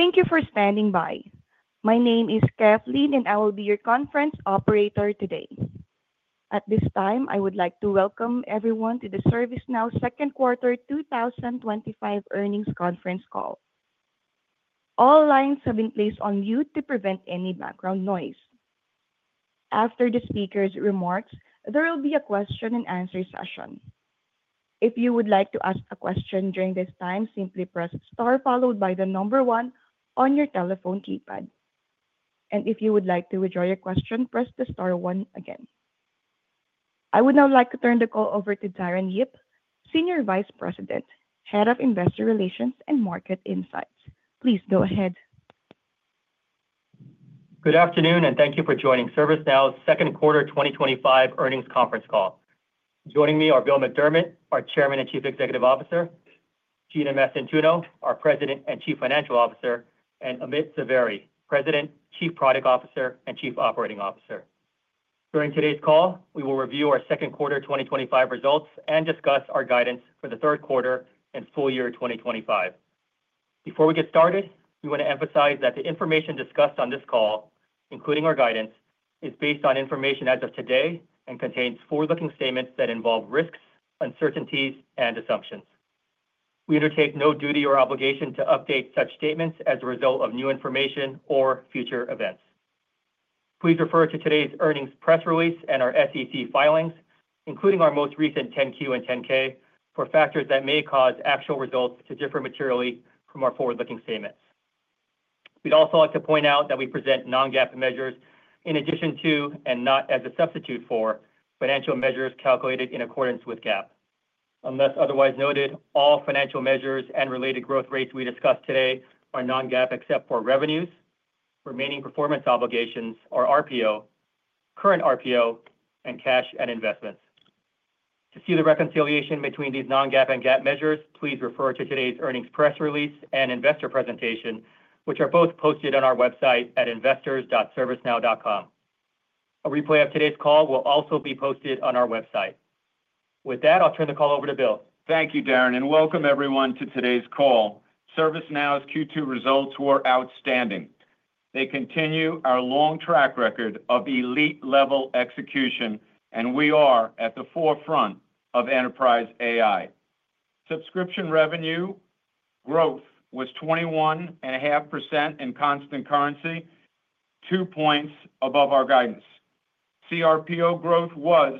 Thank you for standing by. My name is Kathleen, and I will be your conference operator today. At this time, I would like to welcome everyone to the ServiceNow Second Quarter 2025 earnings conference call. All lines have been placed on mute to prevent any background noise. After the speakers' remarks, there will be a question-and-answer session. If you would like to ask a question during this time, simply press Star followed by the number one on your telephone keypad. If you would like to withdraw your question, press the Star one again. I would now like to turn the call over to Darren Yip, Senior Vice President, Head of Investor Relations and Market Insights. Please go ahead. Good afternoon, and thank you for joining ServiceNow Second Quarter 2025 Earnings Conference Call. Joining me are Bill McDermott, our Chairman and Chief Executive Officer; Gina Mastantuono, our President and Chief Financial Officer; and Amit Zavery, President, Chief Product Officer, and Chief Operating Officer. During today's call, we will review our Second Quarter 2025 results and discuss our guidance for the third quarter and full year 2025. Before we get started, we want to emphasize that the information discussed on this call, including our guidance, is based on information as of today and contains forward-looking statements that involve risks, uncertainties, and assumptions. We undertake no duty or obligation to update such statements as a result of new information or future events. Please refer to today's earnings press release and our SEC filings, including our most recent 10Q and 10K, for factors that may cause actual results to differ materially from our forward-looking statements. We'd also like to point out that we present non-GAAP measures in addition to, and not as a substitute for, financial measures calculated in accordance with GAAP. Unless otherwise noted, all financial measures and related growth rates we discuss today are non-GAAP except for revenues, remaining performance obligations, or RPO, current RPO, and cash and investments. To see the reconciliation between these non-GAAP and GAAP measures, please refer to today's earnings press release and investor presentation, which are both posted on our website at investors.servicenow.com. A replay of today's call will also be posted on our website. With that, I'll turn the call over to Bill. Thank you, Darren, and welcome everyone to today's call. ServiceNow's Q2 results were outstanding. They continue our long track record of elite-level execution, and we are at the forefront of enterprise AI. Subscription revenue growth was 21.5% in constant currency, two points above our guidance. CRPO growth was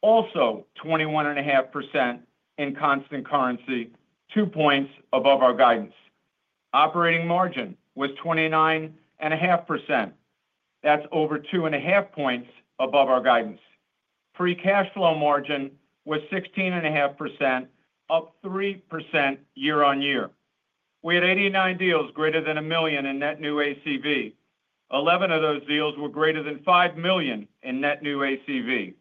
also 21.5% in constant currency, two points above our guidance. Operating margin was 29.5%. That's over two and a half points above our guidance. Free cash flow margin was 16.5%, up 3% Year-on-Year. We had 89 deals greater than a million in net new ACV. Eleven of those deals were greater than $5 million in net new ACV.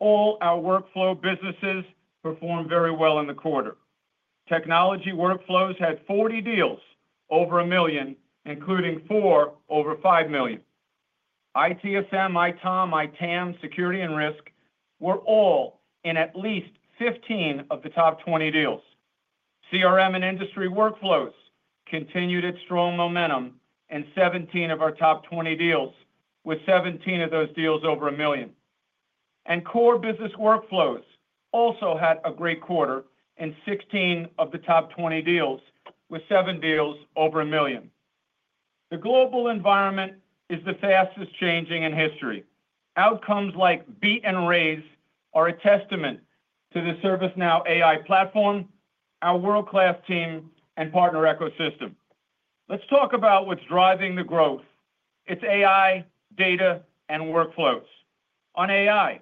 All our workflow businesses performed very well in the quarter. Technology workflows had 40 deals over a million, including four over $5 million. ITSM, ITOM, ITAM, security and risk were all in at least 15 of the top 20 deals. CRM and industry workflows continued at strong momentum in 17 of our top 20 deals, with 17 of those deals over a million. Core business workflows also had a great quarter in 16 of the top 20 deals, with seven deals over a million. The global environment is the fastest changing in history. Outcomes like beat and raise are a testament to the ServiceNow AI Platform, our world-class team, and partner ecosystem. Let's talk about what's driving the growth. It's AI, data, and workflows. On AI,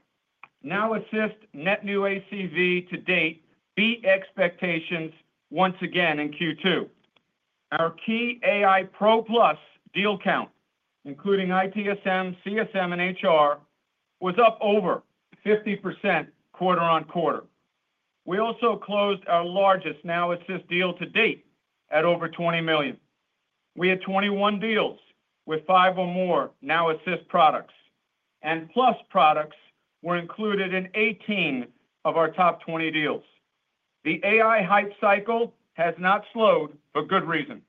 Now Assist net new ACV to date beat expectations once again in Q2. Our key AI Pro Plus deal count, including ITSM, CSM, and HR, was up over 50% quarter on quarter. We also closed our largest Now Assist deal to date at over $20 million. We had 21 deals with five or more Now Assist products, and Plus products were included in 18 of our top 20 deals. The AI hype cycle has not slowed for good reason.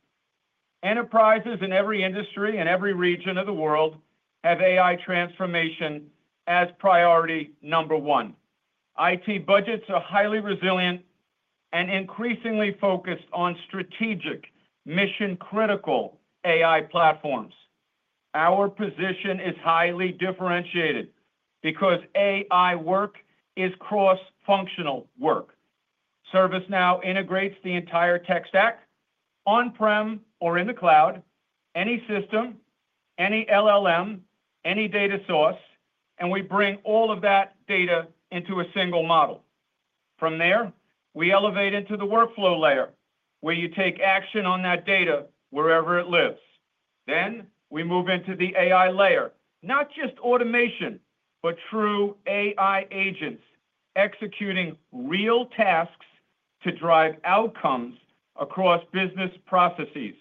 Enterprises in every industry and every region of the world have AI transformation as priority number one. IT budgets are highly resilient and increasingly focused on strategic, mission-critical AI platforms. Our position is highly differentiated because AI work is cross-functional work. ServiceNow integrates the entire tech stack, on-prem or in the cloud, any system, any LLM, any data source, and we bring all of that data into a single model. From there, we elevate into the workflow layer, where you take action on that data wherever it lives. We move into the AI layer, not just automation, but true AI agents executing real tasks to drive outcomes across business processes: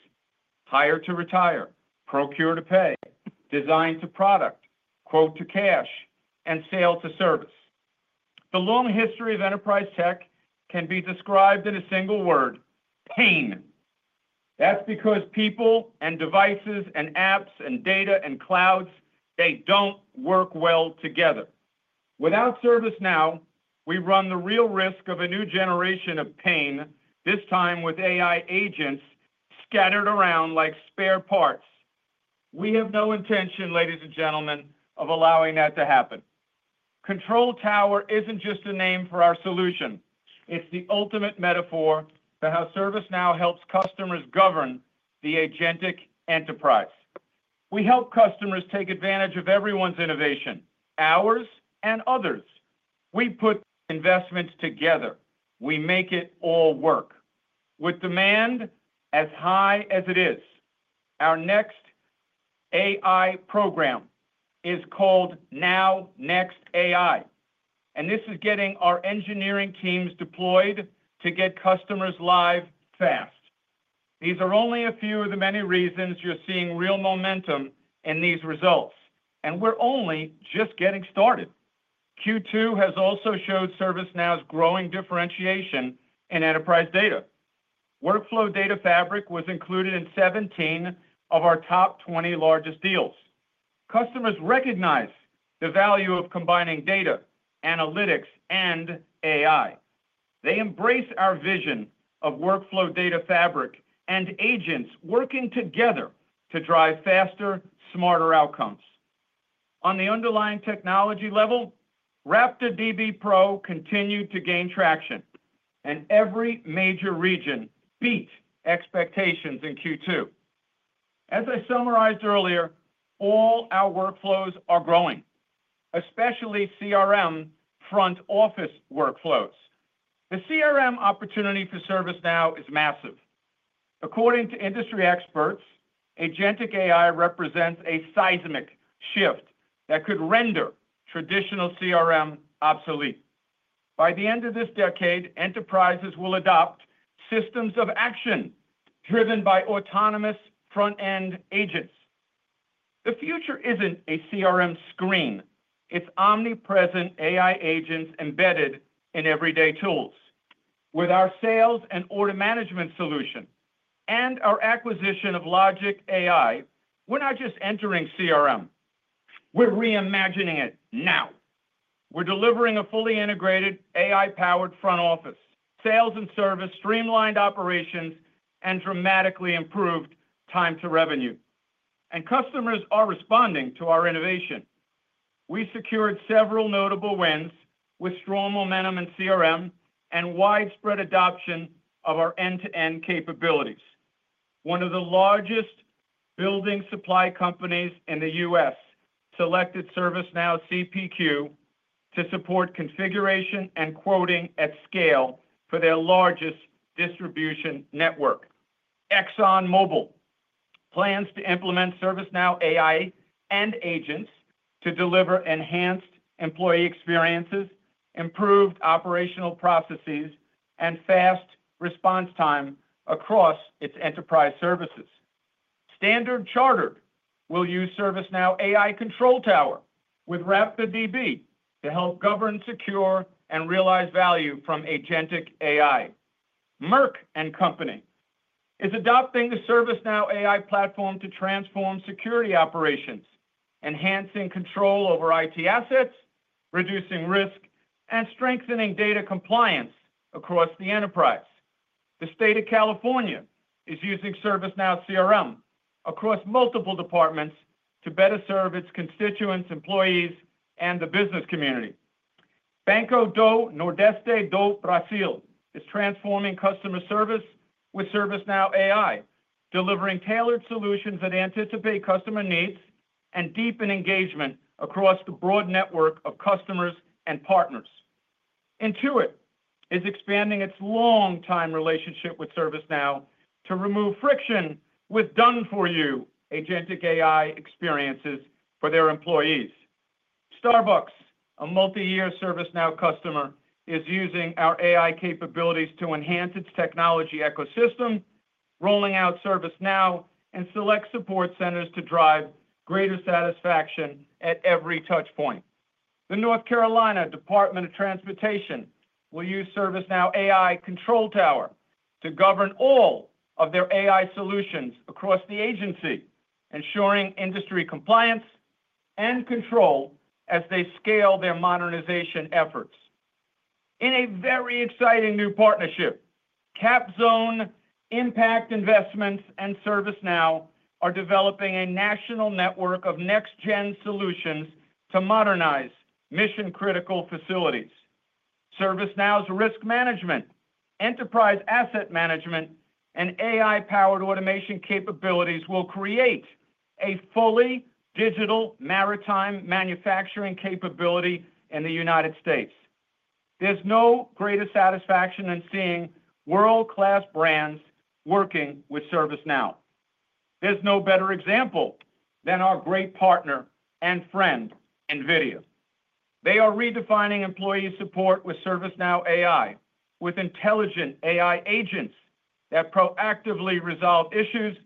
hire to retire, procure to pay, design to product, quote to cash, and sale to service. The long history of enterprise tech can be described in a single word: pain. That's because people and devices and apps and data and clouds, they don't work well together. Without ServiceNow, we run the real risk of a new generation of pain, this time with AI agents scattered around like spare parts. We have no intention, ladies and gentlemen, of allowing that to happen. Control Tower isn't just a name for our solution. It's the ultimate metaphor for how ServiceNow helps customers govern the agentic enterprise. We help customers take advantage of everyone's innovation, ours and others. We put investments together. We make it all work. With demand as high as it is, our next AI program is called Now Next AI, and this is getting our engineering teams deployed to get customers live fast. These are only a few of the many reasons you're seeing real momentum in these results, and we're only just getting started. Q2 has also showed ServiceNow's growing differentiation in enterprise data. Workflow Data Fabric was included in 17 of our top 20 largest deals. Customers recognize the value of combining data, analytics, and AI. They embrace our vision of Workflow Data Fabric and agents working together to drive faster, smarter outcomes. On the underlying technology level, RaptorDB Pro continued to gain traction, and every major region beat expectations in Q2. As I summarized earlier, all our workflows are growing, especially CRM front office workflows. The CRM opportunity for ServiceNow is massive. According to industry experts, Agentic AI represents a seismic shift that could render traditional CRM obsolete. By the end of this decade, enterprises will adopt systems of action driven by autonomous front-end agents. The future isn't a CRM screen. It's omnipresent AI agents embedded in everyday tools. With our sales and order management solution and our acquisition of Logic.ai, we're not just entering CRM. We're reimagining it now. We're delivering a fully integrated AI-powered front office, sales and service streamlined operations, and dramatically improved time to revenue. And customers are responding to our innovation. We secured several notable wins with strong momentum in CRM and widespread adoption of our end-to-end capabilities. One of the largest building supply companies in the U.S. selected ServiceNow CPQ to support configuration and quoting at scale for their largest distribution network. ExxonMobil plans to implement ServiceNow AI and agents to deliver enhanced employee experiences, improved operational processes, and fast response time across its enterprise services. Standard Chartered will use ServiceNow AI Control Tower with RaptorDB Pro to help govern, secure, and realize value from Agentic AI. Merck & Co. is adopting the ServiceNow AI Platform to transform security operations, enhancing control over IT assets, reducing risk, and strengthening data compliance across the enterprise. The State of California is using ServiceNow CRM across multiple departments to better serve its constituents, employees, and the business community. Banco do Nordeste do Brasil is transforming customer service with ServiceNow AI, delivering tailored solutions that anticipate customer needs and deepen engagement across the broad network of customers and partners. Intuit is expanding its long-time relationship with ServiceNow to remove friction with done-for-you Agentic AI experiences for their employees. Starbucks, a multi-year ServiceNow customer, is using our AI capabilities to enhance its technology ecosystem, rolling out ServiceNow in select support centers to drive greater satisfaction at every touchpoint. The North Carolina Department of Transportation will use ServiceNow AI Control Tower to govern all of their AI solutions across the agency, ensuring industry compliance and control as they scale their modernization efforts. In a very exciting new partnership, CapZone Impact Investments and ServiceNow are developing a national network of next-gen solutions to modernize mission-critical facilities. ServiceNow's risk management, enterprise asset management, and AI-powered automation capabilities will create a fully digital maritime manufacturing capability in the United States. There's no greater satisfaction than seeing world-class brands working with ServiceNow. There's no better example than our great partner and friend, NVIDIA. They are redefining employee support with ServiceNow AI, with intelligent AI agents that proactively resolve issues,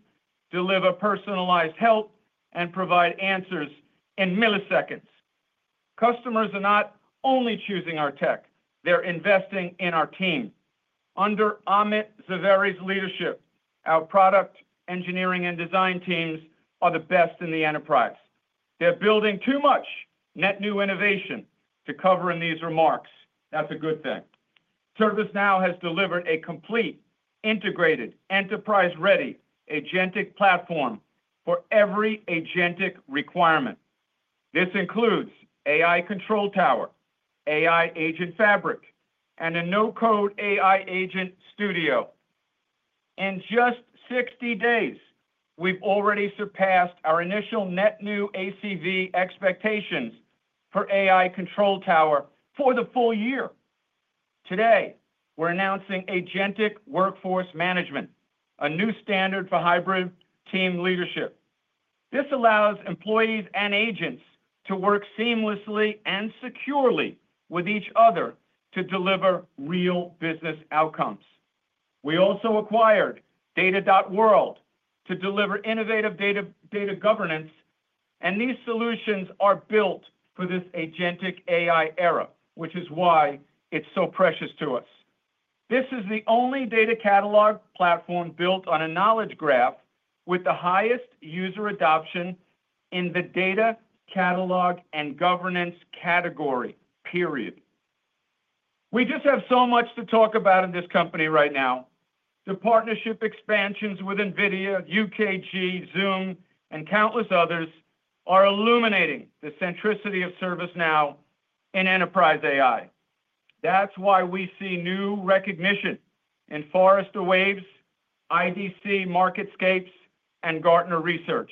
deliver personalized help, and provide answers in milliseconds. Customers are not only choosing our tech, they're investing in our team. Under Amit Zavery's leadership, our product engineering and design teams are the best in the enterprise. They're building too much net new innovation to cover in these remarks. That's a good thing. ServiceNow has delivered a complete, integrated, enterprise-ready agentic platform for every agentic requirement. This includes AI Control Tower, AI Agent Fabric, and a No-Code AI Agent Studio. In just 60 days, we've already surpassed our initial net new ACV expectations for AI Control Tower for the full year. Today, we're announcing Agentic Workforce Management, a new standard for hybrid team leadership. This allows employees and agents to work seamlessly and securely with each other to deliver real business outcomes. We also acquired data.world to deliver innovative data governance, and these solutions are built for this Agentic AI era, which is why it's so precious to us. This is the only data catalog platform built on a knowledge graph with the highest user adoption in the data catalog and governance category, period. We just have so much to talk about in this company right now. The partnership expansions with NVIDIA, UKG, Zoom, and countless others are illuminating the centricity of ServiceNow in enterprise AI. That's why we see new recognition in Forrester Waves, IDC MarketScapes, and Gartner Research.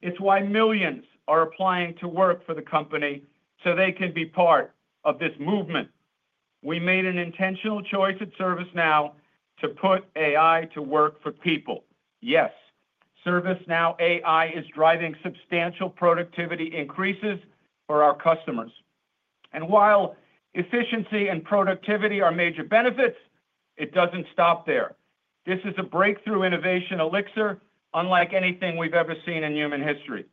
It's why millions are applying to work for the company so they can be part of this movement. We made an intentional choice at ServiceNow to put AI to work for people. Yes, ServiceNow AI is driving substantial productivity increases for our customers. While efficiency and productivity are major benefits, it doesn't stop there. This is a breakthrough innovation elixir, unlike anything we've ever seen in human history.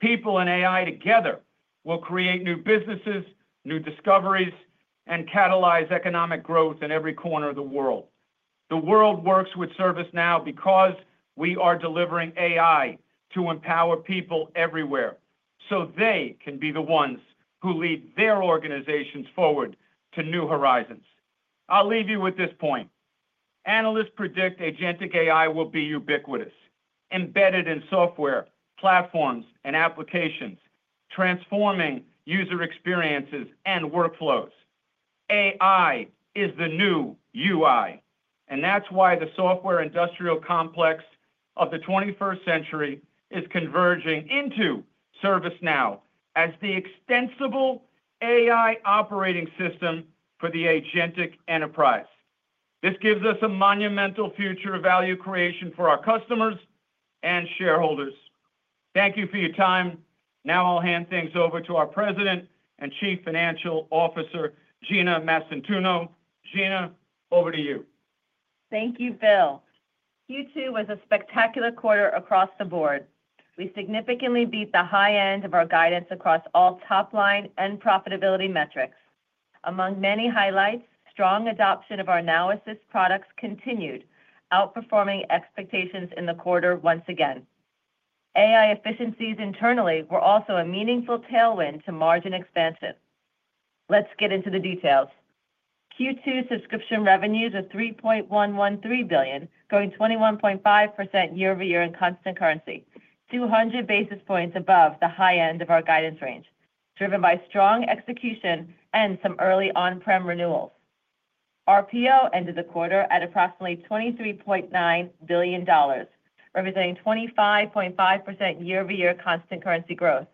People and AI together will create new businesses, new discoveries, and catalyze economic growth in every corner of the world. The world works with ServiceNow because we are delivering AI to empower people everywhere so they can be the ones who lead their organizations forward to new horizons. I'll leave you with this point. Analysts predict Agentic AI will be ubiquitous, embedded in software, platforms, and applications, transforming user experiences and workflows. AI is the new UI, and that's why the software industrial complex of the 21st century is converging into ServiceNow as the extensible AI operating system for the agentic enterprise. This gives us a monumental future of value creation for our customers and shareholders. Thank you for your time. Now I'll hand things over to our President and Chief Financial Officer, Gina Mastantuono. Gina, over to you. Thank you, Bill. Q2 was a spectacular quarter across the board. We significantly beat the high end of our guidance across all top-line and profitability metrics. Among many highlights, strong adoption of our Now Assist products continued, outperforming expectations in the quarter once again. AI efficiencies internally were also a meaningful tailwind to margin expansion. Let's get into the details. Q2 subscription revenues were $3.113 billion, growing 21.5% Year-over-Year in constant currency, 200 basis points above the high end of our guidance range, driven by strong execution and some early on-prem renewals. RPO ended the quarter at approximately $23.9 billion, representing 25.5% Year-over-Year constant currency growth.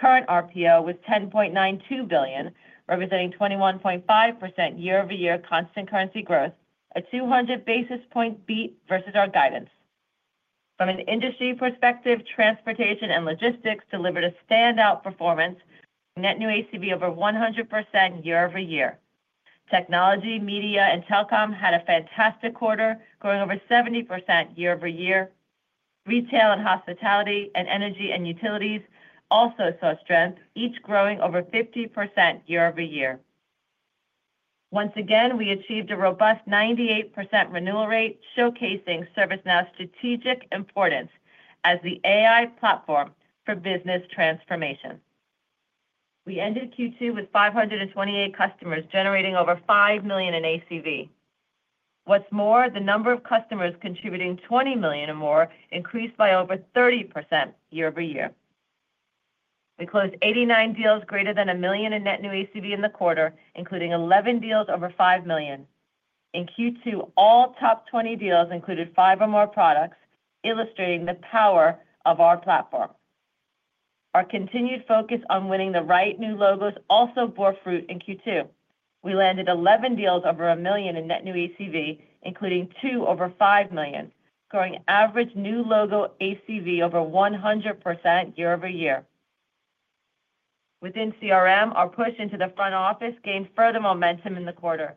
Current RPO was $10.92 billion, representing 21.5% Year-over-Year constant currency growth, a 200 basis point beat versus our guidance. From an industry perspective, transportation and logistics delivered a standout performance, net new ACV over 100% Year-over-Year. Technology, media, and telecom had a fantastic quarter, growing over 70% Year-over-Year. Retail and hospitality and energy and utilities also saw strength, each growing over 50% Year-over-Year. Once again, we achieved a robust 98% renewal rate, showcasing ServiceNow's strategic importance as the AI platform for business transformation. We ended Q2 with 528 customers generating over $5 million in ACV. What's more, the number of customers contributing $20 million or more increased by over 30% Year-over-Year. We closed 89 deals greater than a million in net new ACV in the quarter, including 11 deals over $5 million. In Q2, all top 20 deals included five or more products, illustrating the power of our platform. Our continued focus on winning the right new logos also bore fruit in Q2. We landed 11 deals over a million in net new ACV, including two over $5 million, growing average new logo ACV over 100% Year-over-Year. Within CRM, our push into the front office gained further momentum in the quarter.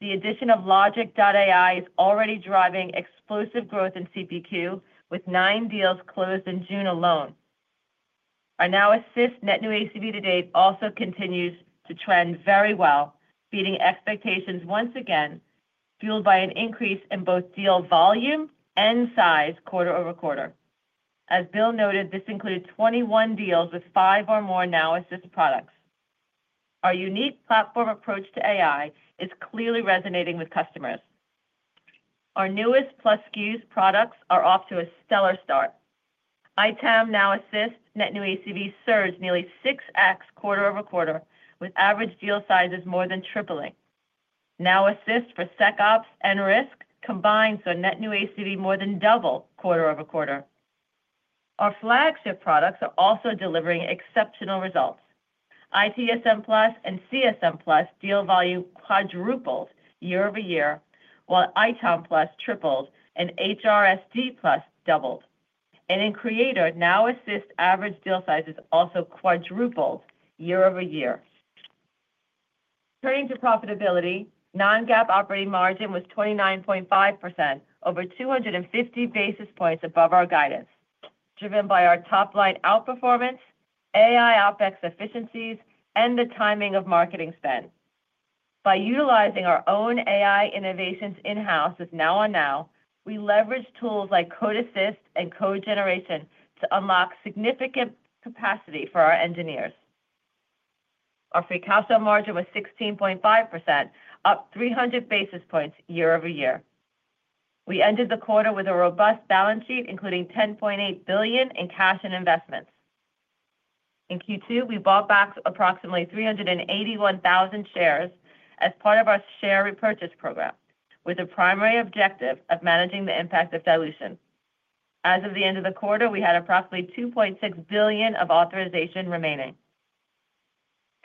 The addition of Logic.ai is already driving explosive growth in CPQ, with nine deals closed in June alone. Our Now Assist net new ACV to date also continues to trend very well, beating expectations once again, fueled by an increase in both deal volume and size quarter over quarter. As Bill noted, this included 21 deals with five or more Now Assist products. Our unique platform approach to AI is clearly resonating with customers. Our newest Plus Skews products are off to a stellar start. ITAM Now Assist net new ACV serves nearly 6X quarter over quarter, with average deal sizes more than tripling. Now Assist for SecOps and risk combined saw net new ACV more than double quarter over quarter. Our flagship products are also delivering exceptional results. ITSM Plus and CSM Plus deal volume quadrupled Year-over-Year, while ITAM Plus tripled and HRSD Plus doubled. In Creator, Now Assist average deal sizes also quadrupled Year-over-Year. Turning to profitability, non-GAAP operating margin was 29.5%, over 250 basis points above our guidance, driven by our top-line outperformance, AI opex efficiencies, and the timing of marketing spend. By utilizing our own AI innovations in-house with Now on Now, we leverage tools like CodeAssist and CodeGeneration to unlock significant capacity for our engineers. Our free cash flow margin was 16.5%, up 300 basis points Year-over-Year. We ended the quarter with a robust balance sheet, including $10.8 billion in cash and investments. In Q2, we bought back approximately 381,000 shares as part of our share repurchase program, with a primary objective of managing the impact of dilution. As of the end of the quarter, we had approximately $2.6 billion of authorization remaining.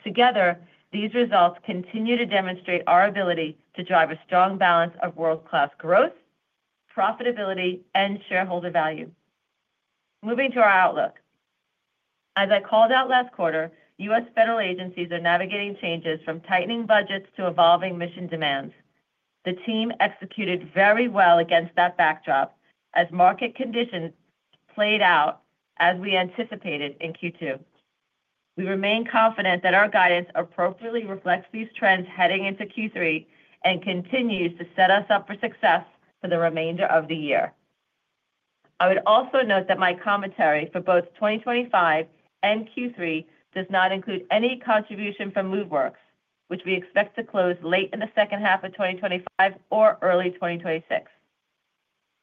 Together, these results continue to demonstrate our ability to drive a strong balance of world-class growth, profitability, and shareholder value. Moving to our outlook. As I called out last quarter, U.S. federal agencies are navigating changes from tightening budgets to evolving mission demands. The team executed very well against that backdrop as market conditions played out as we anticipated in Q2. We remain confident that our guidance appropriately reflects these trends heading into Q3 and continues to set us up for success for the remainder of the year. I would also note that my commentary for both 2025 and Q3 does not include any contribution from Moveworks, which we expect to close late in the second half of 2025 or early 2026.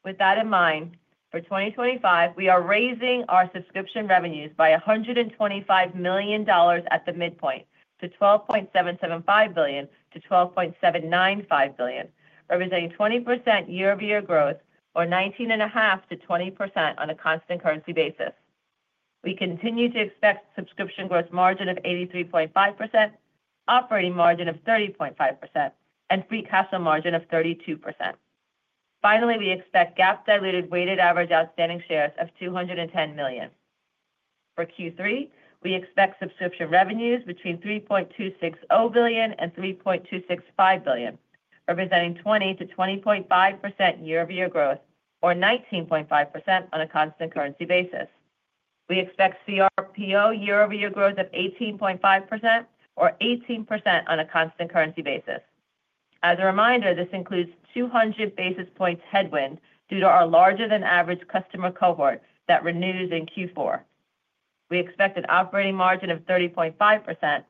With that in mind, for 2025, we are raising our subscription revenues by $125 million at the midpoint, to $12.775 billion-$12.795 billion, representing 20% Year-over-Year growth, or 19.5%-20% on a constant currency basis. We continue to expect subscription gross margin of 83.5%, operating margin of 30.5%, and free cash flow margin of 32%. Finally, we expect GAAP diluted weighted average outstanding shares of 210 million. For Q3, we expect subscription revenues between $3.260 billion-$3.265 billion, representing 20%-20.5% Year-over-Year growth, or 19.5% on a constant currency basis. We expect CRPO Year-over-Year growth of 18.5%, or 18% on a constant currency basis. As a reminder, this includes 200 basis points headwind due to our larger-than-average customer cohort that renews in Q4. We expect an operating margin of 30.5%.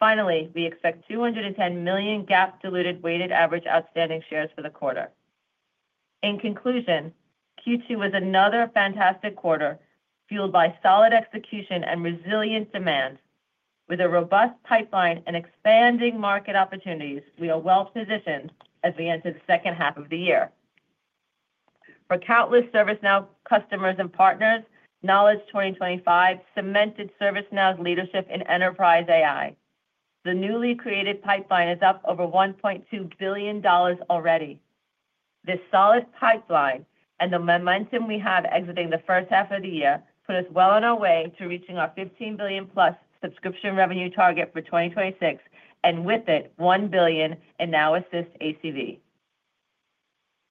Finally, we expect 210 million GAAP diluted weighted average outstanding shares for the quarter. In conclusion, Q2 was another fantastic quarter, fueled by solid execution and resilient demand. With a robust pipeline and expanding market opportunities, we are well positioned as we enter the second half of the year. For countless ServiceNow customers and partners, Knowledge 2025 cemented ServiceNow's leadership in enterprise AI. The newly created pipeline is up over $1.2 billion already. This solid pipeline and the momentum we have exiting the first half of the year put us well on our way to reaching our $15 billion-plus subscription revenue target for 2026, and with it, $1 billion in Now Assist ACV.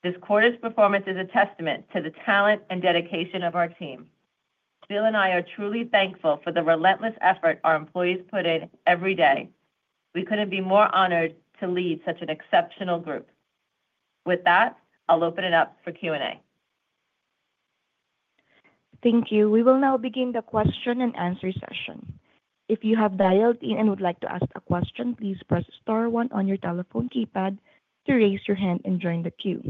This quarter's performance is a testament to the talent and dedication of our team. Bill and I are truly thankful for the relentless effort our employees put in every day. We could not be more honored to lead such an exceptional group. With that, I will open it up for Q&A. Thank you. We will now begin the question and answer session. If you have dialed in and would like to ask a question, please press Star 1 on your telephone keypad to raise your hand and join the queue.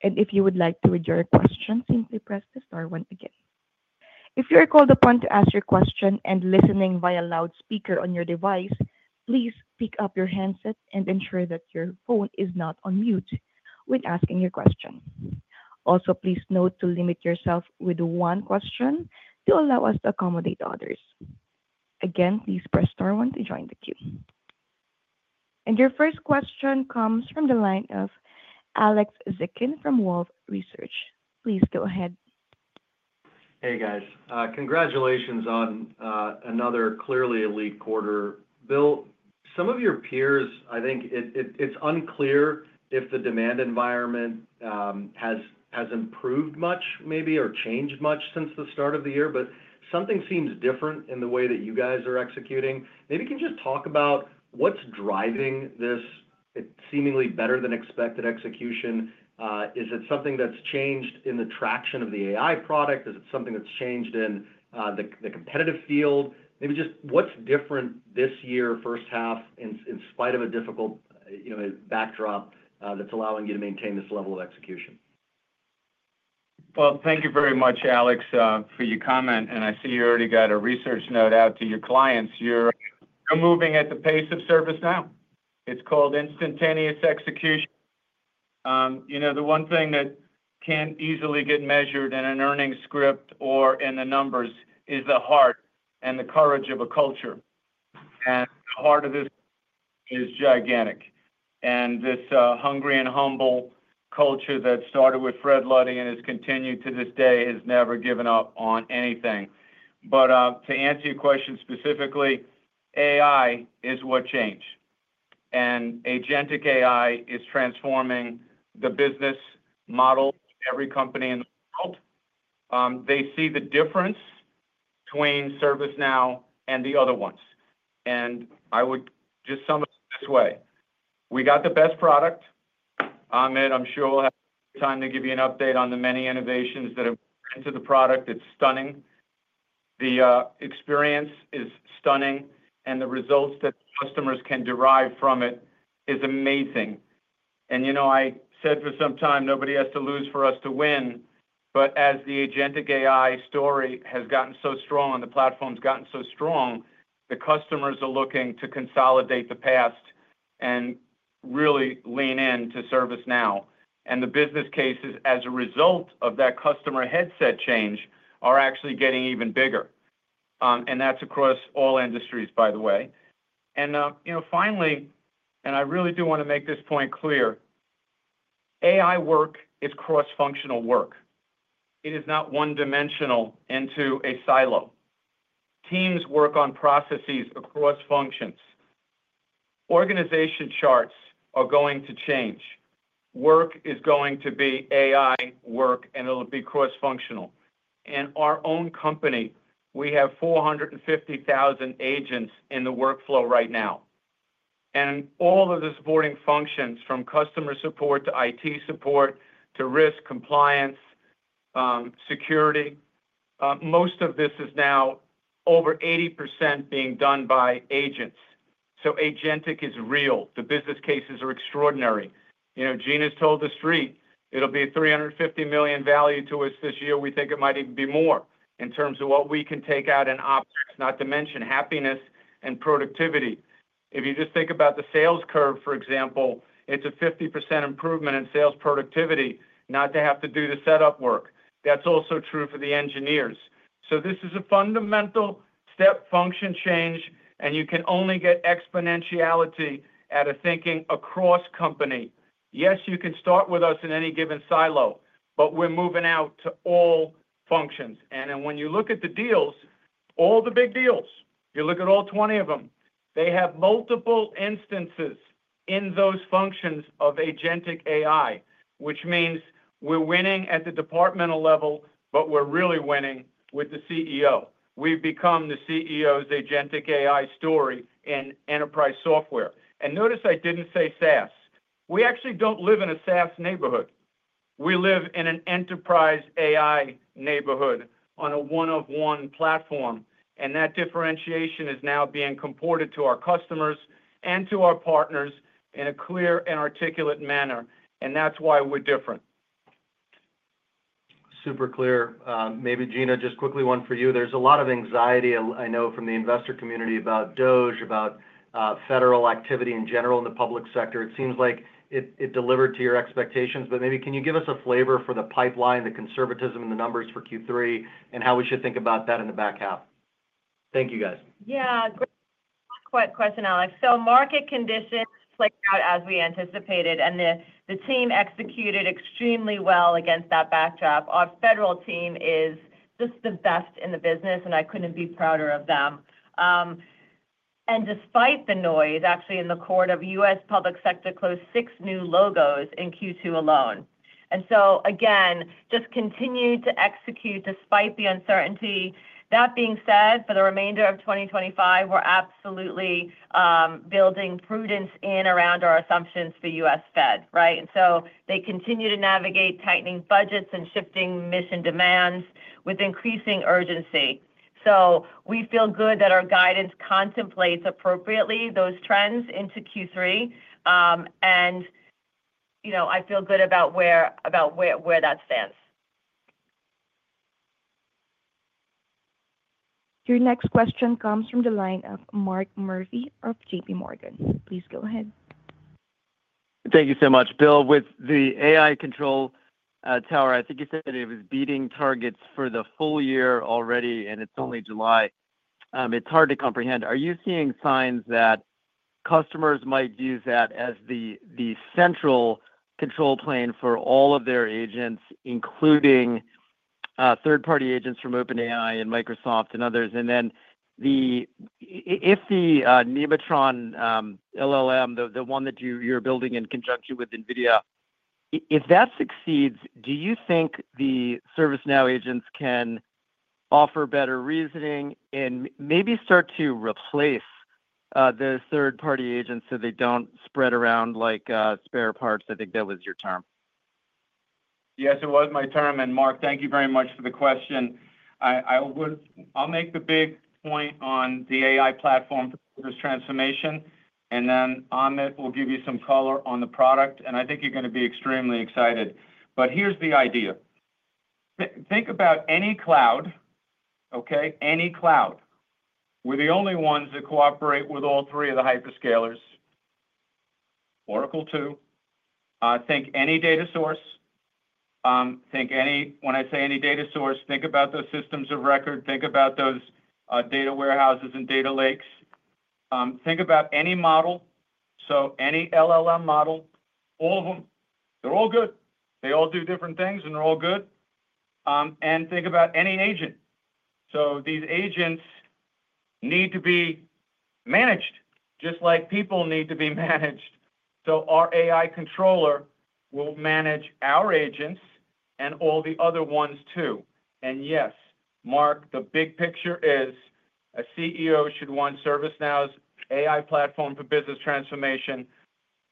If you would like to withdraw your question, simply press the Star 1 again. If you are called upon to ask your question and listening via loudspeaker on your device, please pick up your handset and ensure that your phone is not on mute when asking your question. Also, please note to limit yourself with one question to allow us to accommodate others. Again, please press Star 1 to join the queue. Your first question comes from the line of Alex Zuckerman from Wolfe Research. Please go ahead. Hey, guys. Congratulations on another clearly elite quarter. Bill, some of your peers, I think it is unclear if the demand environment has improved much, maybe, or changed much since the start of the year. Something seems different in the way that you guys are executing. Maybe you can just talk about what is driving this seemingly better-than-expected execution. Is it something that has changed in the traction of the AI product? Is it something that has changed in the competitive field? Maybe just what is different this year, first half, in spite of a difficult backdrop that is allowing you to maintain this level of execution? Thank you very much, Alex, for your comment. I see you already got a research note out to your clients. You are moving at the pace of ServiceNow. It is called instantaneous execution. The one thing that cannot easily get measured in an earnings script or in the numbers is the heart and the courage of a culture. The heart of this is gigantic. This hungry and humble culture that started with Fred Luddy and has continued to this day has never given up on anything. To answer your question specifically, AI is what changed. Agentic AI is transforming the business model of every company in the world. They see the difference between ServiceNow and the other ones. I would just sum it up this way. We got the best product. I am sure we will have time to give you an update on the many innovations that have been to the product. It is stunning. The experience is stunning. The results that customers can derive from it is amazing. I said for some time, nobody has to lose for us to win. As the Agentic AI story has gotten so strong and the platform's gotten so strong, the customers are looking to consolidate the past. They really lean into ServiceNow. The business cases, as a result of that customer headset change, are actually getting even bigger. That is across all industries, by the way. Finally, I really do want to make this point clear. AI work is cross-functional work. It is not one-dimensional into a silo. Teams work on processes across functions. Organization charts are going to change. Work is going to be AI work, and it'll be cross-functional. In our own company, we have 450,000 agents in the workflow right now. All of the supporting functions, from customer support to IT support to risk compliance, security, most of this is now over 80% being done by agents, Agentic is real. The business cases are extraordinary. Gina's told the street, it'll be a $350 million value to us this year. We think it might even be more in terms of what we can take out in up, not to mention happiness and productivity. If you just think about the sales curve, for example, it's a 50% improvement in sales productivity not to have to do the setup work. That is also true for the engineers. This is a fundamental step function change, and you can only get exponentiality at a thinking across company. You can start with us in any given silo, but we're moving out to all functions. When you look at the deals, all the big deals, you look at all 20 of them, they have multiple instances in those functions of Agentic AI, which means we're winning at the departmental level, but we're really winning with the CEO. We've become the CEO's Agentic AI story in enterprise software. Notice I did not say SaaS. We actually do not live in a SaaS neighborhood. We live in an enterprise AI neighborhood on a one-of-one platform. That differentiation is now being comported to our customers and to our partners in a clear and articulate manner. That is why we're different. Super clear. Maybe, Gina, just quickly one for you. There is a lot of anxiety, I know, from the investor community about DOGE, about federal activity in general in the public sector. It seems like it delivered to your expectations. Maybe can you give us a flavor for the pipeline, the conservatism in the numbers for Q3, and how we should think about that in the back half? Thank you, guys. Yeah. Quick question, Alex. Market conditions played out as we anticipated, and the team executed extremely well against that backdrop. Our federal team is just the best in the business, and I could not be prouder of them. Despite the noise, actually, in the court of U.S. public sector closed six new logos in Q2 alone. Again, just continue to execute despite the uncertainty. That being said, for the remainder of 2025, we're absolutely building prudence in and around our assumptions for U.S. Fed, right? They continue to navigate tightening budgets and shifting mission demands with increasing urgency. We feel good that our guidance contemplates appropriately those trends into Q3. I feel good about where that stands. Your next question comes from the line of Mark Murphy of JPMorgan. please go ahead. Thank you so much. Bill, with the AI Control Tower, I think you said it was beating targets for the full year already, and it's only July. It's hard to comprehend. Are you seeing signs that customers might view that as the central control plane for all of their agents, including third-party agents from OpenAI and Microsoft and others? If the Nemotron LLM, the one that you're building in conjunction with NVIDIA, if that succeeds, do you think the ServiceNow agents can offer better reasoning and maybe start to replace the third-party agents so they don't spread around like spare parts? I think that was your term. Yes, it was my term. Mark, thank you very much for the question. I'll make the big point on the AI platform for this transformation. Amit will give you some color on the product. I think you're going to be extremely excited. Here's the idea. Think about any cloud, okay? Any cloud. We're the only ones that cooperate with all three of the hyperscalers. Oracle too. Think any data source. When I say any data source, think about those systems of record. Think about those data warehouses and data lakes. Think about any model. So any LLM model, all of them, they're all good. They all do different things, and they're all good. Think about any agent. These agents need to be managed, just like people need to be managed. Our AI controller will manage our agents and all the other ones too. Yes, Mark, the big picture is a CEO should want ServiceNow's AI platform for business transformation.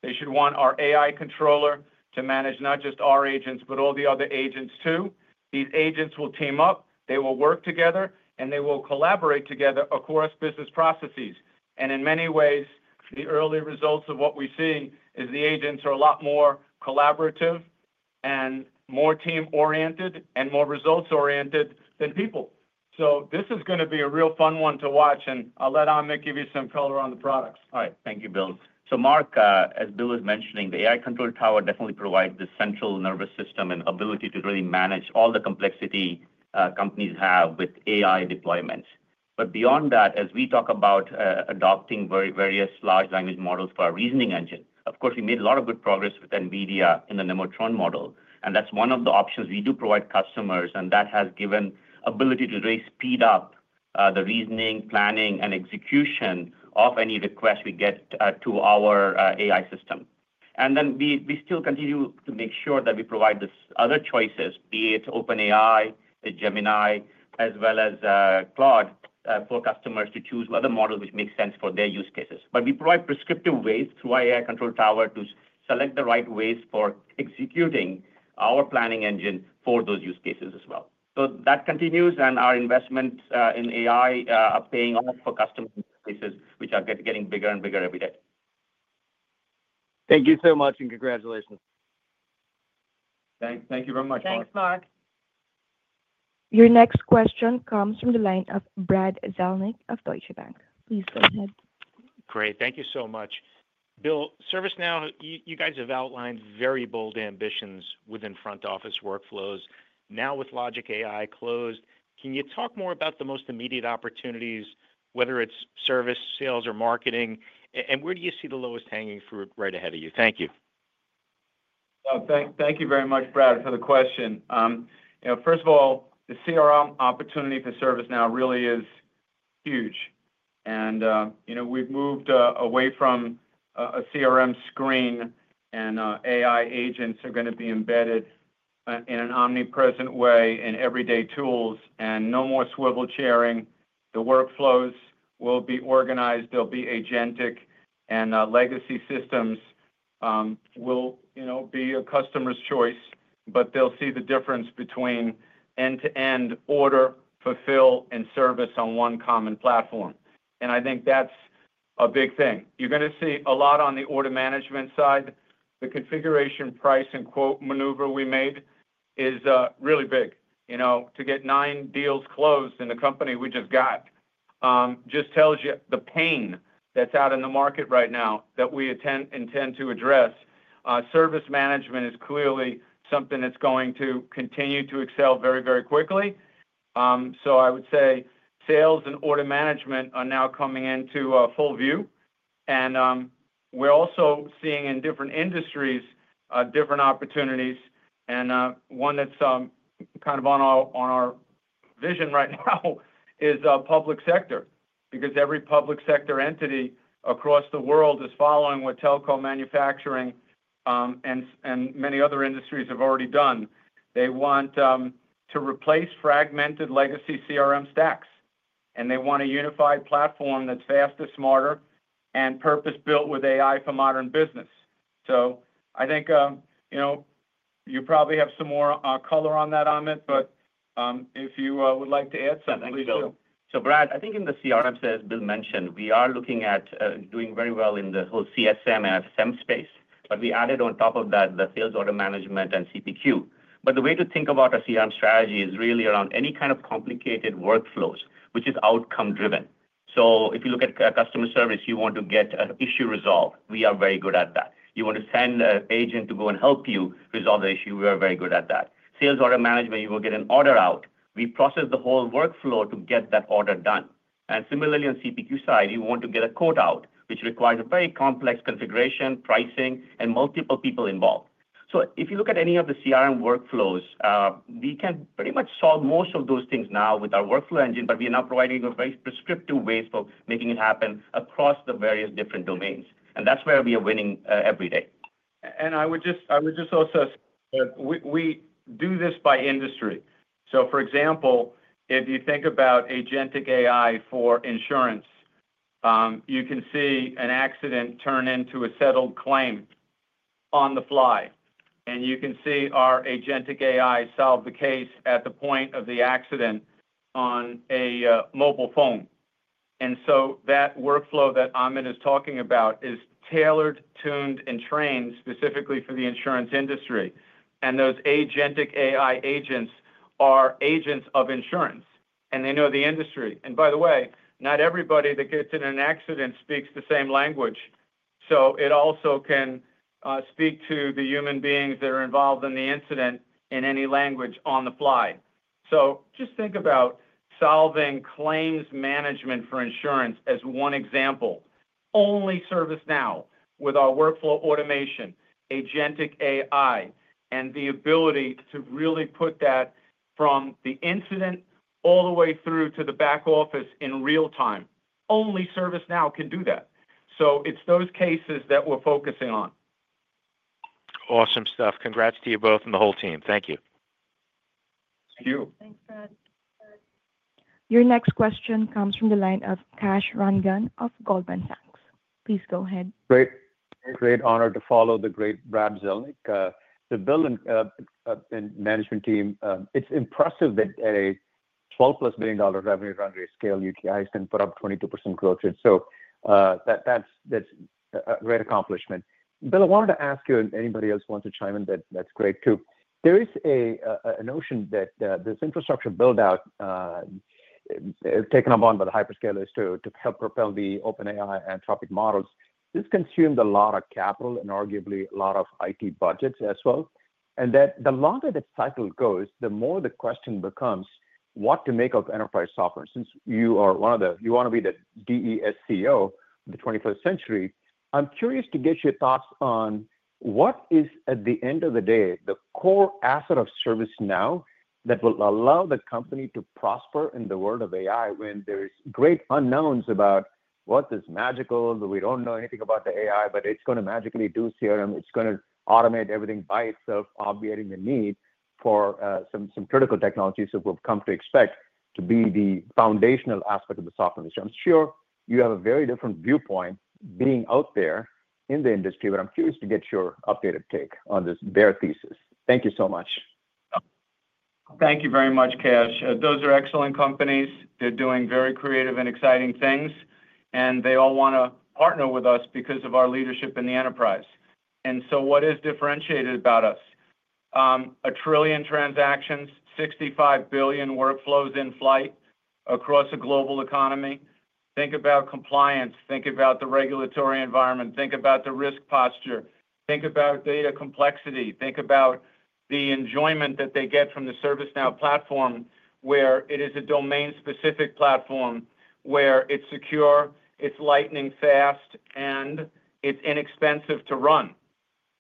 They should want our AI controller to manage not just our agents, but all the other agents too. These agents will team up. They will work together, and they will collaborate together across business processes. In many ways, the early results of what we're seeing is the agents are a lot more collaborative and more team-oriented and more results-oriented than people. This is going to be a real fun one to watch. I'll let Amit give you some color on the products. All right. Thank you, Bill. Mark, as Bill was mentioning, the AI Control Tower definitely provides the central nervous system and ability to really manage all the complexity companies have with AI deployments. Beyond that, as we talk about adopting various large language models for our reasoning engine, of course, we made a lot of good progress with NVIDIA in the Nemotron model. That is one of the options we do provide customers. That has given the ability to really speed up the reasoning, planning, and execution of any request we get to our AI system. We still continue to make sure that we provide these other choices, be it OpenAI, Gemini, as well as Claude, for customers to choose other models which make sense for their use cases. We provide prescriptive ways through our AI Control Tower to select the right ways for executing our planning engine for those use cases as well. That continues. Our investments in AI are paying off for customer cases, which are getting bigger and bigger every day. Thank you so much and congratulation Thanks, Mark, Your next question comes from the line of Brad Zelnick of Deutsche Bank. Please go ahead. Great. Thank you so much. Bill, ServiceNow, you guys have outlined very bold ambitions within front-office workflows. Now with Logic.ai closed, can you talk more about the most immediate opportunities, whether it's service, sales, or marketing? Where do you see the lowest hanging fruit right ahead of you? Thank you. Thank you very much, Brad, for the question. First of all, the CRM opportunity for ServiceNow really is huge. We've moved away from a CRM screen, and AI agents are going to be embedded in an omnipresent way in everyday tools. No more swivel chairing. The workflows will be organized. They'll be agentic. Legacy systems will be a customer's choice, but they'll see the difference between end-to-end order, fulfill, and service on one common platform. I think that's a big thing. You're going to see a lot on the order management side. The configuration price and quote maneuver we made is really big. To get nine deals closed in the company we just got just tells you the pain that's out in the market right now that we intend to address. Service management is clearly something that's going to continue to excel very, very quickly. I would say sales and order management are now coming into full view. We're also seeing in different industries different opportunities. One that's kind of on our vision right now is public sector because every public sector entity across the world is following what telco, manufacturing, and many other industries have already done. They want to replace fragmented legacy CRM stacks. They want a unified platform that's faster, smarter, and purpose-built with AI for modern business. I think you probably have some more color on that, Amit, but if you would like to add something, please do. So Brad, I think in the CRM, as Bill mentioned, we are looking at doing very well in the whole CSM and SM space. We added on top of that the sales order management and CPQ. The way to think about a CRM strategy is really around any kind of complicated workflows, which is outcome-driven. If you look at customer service, you want to get an issue resolved. We are very good at that. You want to send an agent to go and help you resolve the issue. We are very good at that. Sales order management, you will get an order out. We process the whole workflow to get that order done. Similarly, on the CPQ side, you want to get a quote out, which requires a very complex configuration, pricing, and multiple people involved. If you look at any of the CRM workflows, we can pretty much solve most of those things now with our workflow engine, but we are now providing a very prescriptive way for making it happen across the various different domains. That is where we are winning every day. I would just also. We do this by industry. For example, if you think about Agentic AI for insurance, you can see an accident turn into a settled claim on the fly. You can see our Agentic AI solve the case at the point of the accident on a mobile phone. That workflow that Amit is talking about is tailored, tuned, and trained specifically for the insurance industry. Those Agentic AI agents are agents of insurance. They know the industry. By the way, not everybody that gets in an accident speaks the same language. It also can speak to the human beings that are involved in the incident in any language on the fly. Just think about solving claims management for insurance as one example. Only ServiceNow with our workflow automation, Agentic AI, and the ability to really put that from the incident all the way through to the back office in real time. Only ServiceNow can do that. It is those cases that we are focusing on. Awesome stuff. Congrats to you both and the whole team. Thank you. Thank you. Thanks, Brad. Your next question comes from the line of Kash Rangan of Goldman Sachs. Please go ahead. Great honor to follow the great Brad Zelnick. Bill and management team, it is impressive that at a 12-plus million dollar revenue run rate scale, UTI has been put up 22% growth rate. That is a great accomplishment. Bill, I wanted to ask you, and anybody else wants to chime in, that is great too. There is a notion that this infrastructure build-out taken up on by the hyperscalers to help propel the OpenAI and Anthropic models, this consumed a lot of capital and arguably a lot of IT budgets as well. That the longer the cycle goes, the more the question becomes what to make of enterprise software. Since you are one of the, you want to be the DESCO of the 21st century, I'm curious to get your thoughts on what is, at the end of the day, the core asset of ServiceNow that will allow the company to prosper in the world of AI when there are great unknowns about what is magical, that we don't know anything about the AI, but it's going to magically do CRM. It's going to automate everything by itself, obviating the need for some critical technologies that we've come to expect to be the foundational aspect of the software. I'm sure you have a very different viewpoint being out there in the industry, but I'm curious to get your updated take on this bare thesis. Thank you so much. Thank you very much, cash. Those are excellent companies. They're doing very creative and exciting things. They all want to partner with us because of our leadership in the enterprise. What is differentiated about us? A trillion transactions, 65 billion workflows in flight across a global economy. Think about compliance. Think about the regulatory environment. Think about the risk posture. Think about data complexity. Think about the enjoyment that they get from the ServiceNow platform, where it is a domain-specific platform, where it's secure, it's lightning fast, and it's inexpensive to run.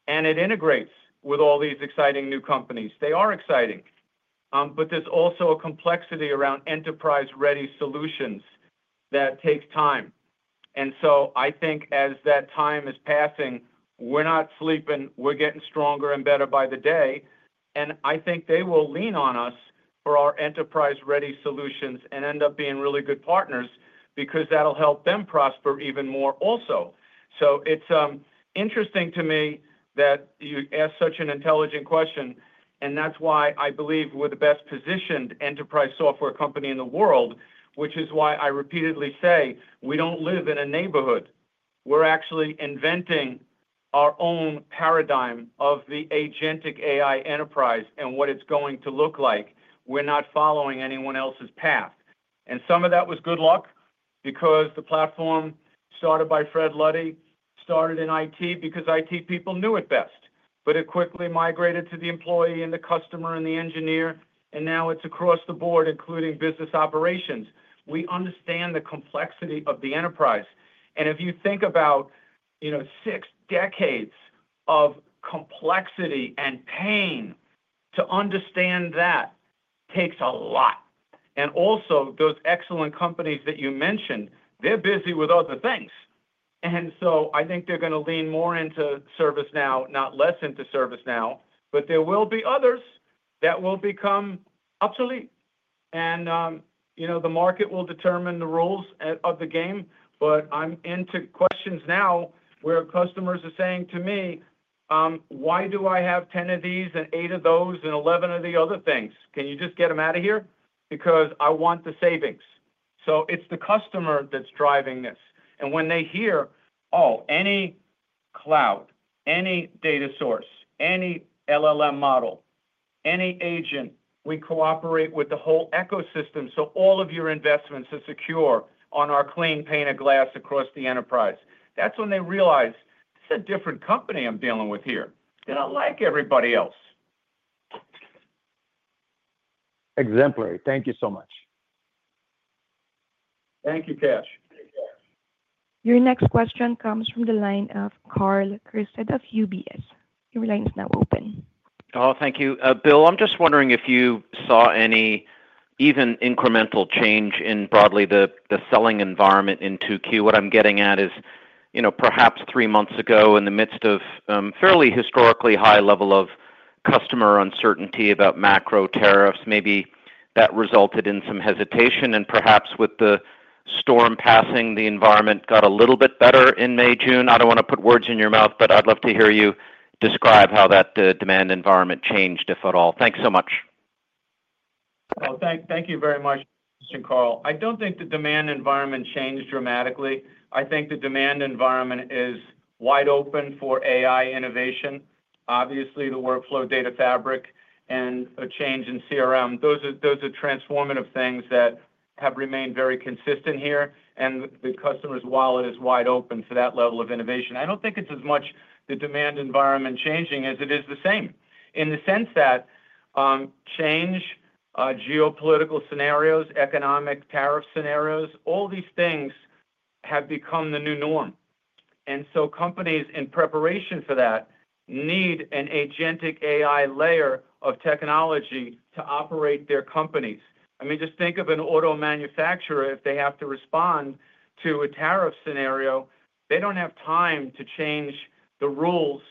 It integrates with all these exciting new companies. They are exciting. There's also a complexity around enterprise-ready solutions that takes time. I think as that time is passing, we're not sleeping. We're getting stronger and better by the day. I think they will lean on us for our enterprise-ready solutions and end up being really good partners because that'll help them prosper even more also. It's interesting to me that you ask such an intelligent question. That's why I believe we're the best-positioned enterprise software company in the world, which is why I repeatedly say we don't live in a neighborhood. We're actually inventing our own paradigm of the Agentic AI enterprise and what it's going to look like. We're not following anyone else's path. Some of that was good luck because the platform started by Fred Luddy, started in IT because IT people knew it best. It quickly migrated to the employee and the customer and the engineer. Now it's across the board, including business operations. We understand the complexity of the enterprise. If you think about six decades of complexity and pain, to understand that takes a lot. Also, those excellent companies that you mentioned, they're busy with other things. I think they're going to lean more into ServiceNow, not less into ServiceNow. There will be others that will become obsolete. The market will determine the rules of the game. But I'm into questions now where customers are saying to me, "Why do I have 10 of these and 8 of those and 11 of the other things? Can you just get them out of here? Because I want the savings." It is the customer that's driving this. When they hear, "Oh, any cloud, any data source, any LLM model, any agent, we cooperate with the whole ecosystem so all of your investments are secure on our clean pane of glass across the enterprise." That is when they realize it is a different company I'm dealing with here. They do not like everybody else. Exemplary. Thank you so much. Thank you, cash. Your next question comes from the line of Carl Christoff of UBS. Your line is now open. Oh, thank you. Bill, I'm just wondering if you saw any, even incremental change in broadly the selling environment in 2Q. What I'm getting at is perhaps three months ago in the midst of a fairly historically high level of customer uncertainty about macro tariffs. Maybe that resulted in some hesitation. Perhaps with the storm passing, the environment got a little bit better in May, June. I do not want to put words in your mouth, but I'd love to hear you describe how that demand environment changed, if at all. Thanks so much. Thank you very much, Mr. Carl. I do not think the demand environment changed dramatically. I think the demand environment is wide open for AI innovation. Obviously, the Workflow Data Fabric and a change in CRM, those are transformative things that have remained very consistent here. The customer's wallet is wide open for that level of innovation. I do not think it is as much the demand environment changing as it is the same. In the sense that change, geopolitical scenarios, economic tariff scenarios, all these things have become the new norm. Companies in preparation for that need an Agentic AI layer of technology to operate their companies. I mean, just think of an auto manufacturer. If they have to respond to a tariff scenario, they do not have time to change the rules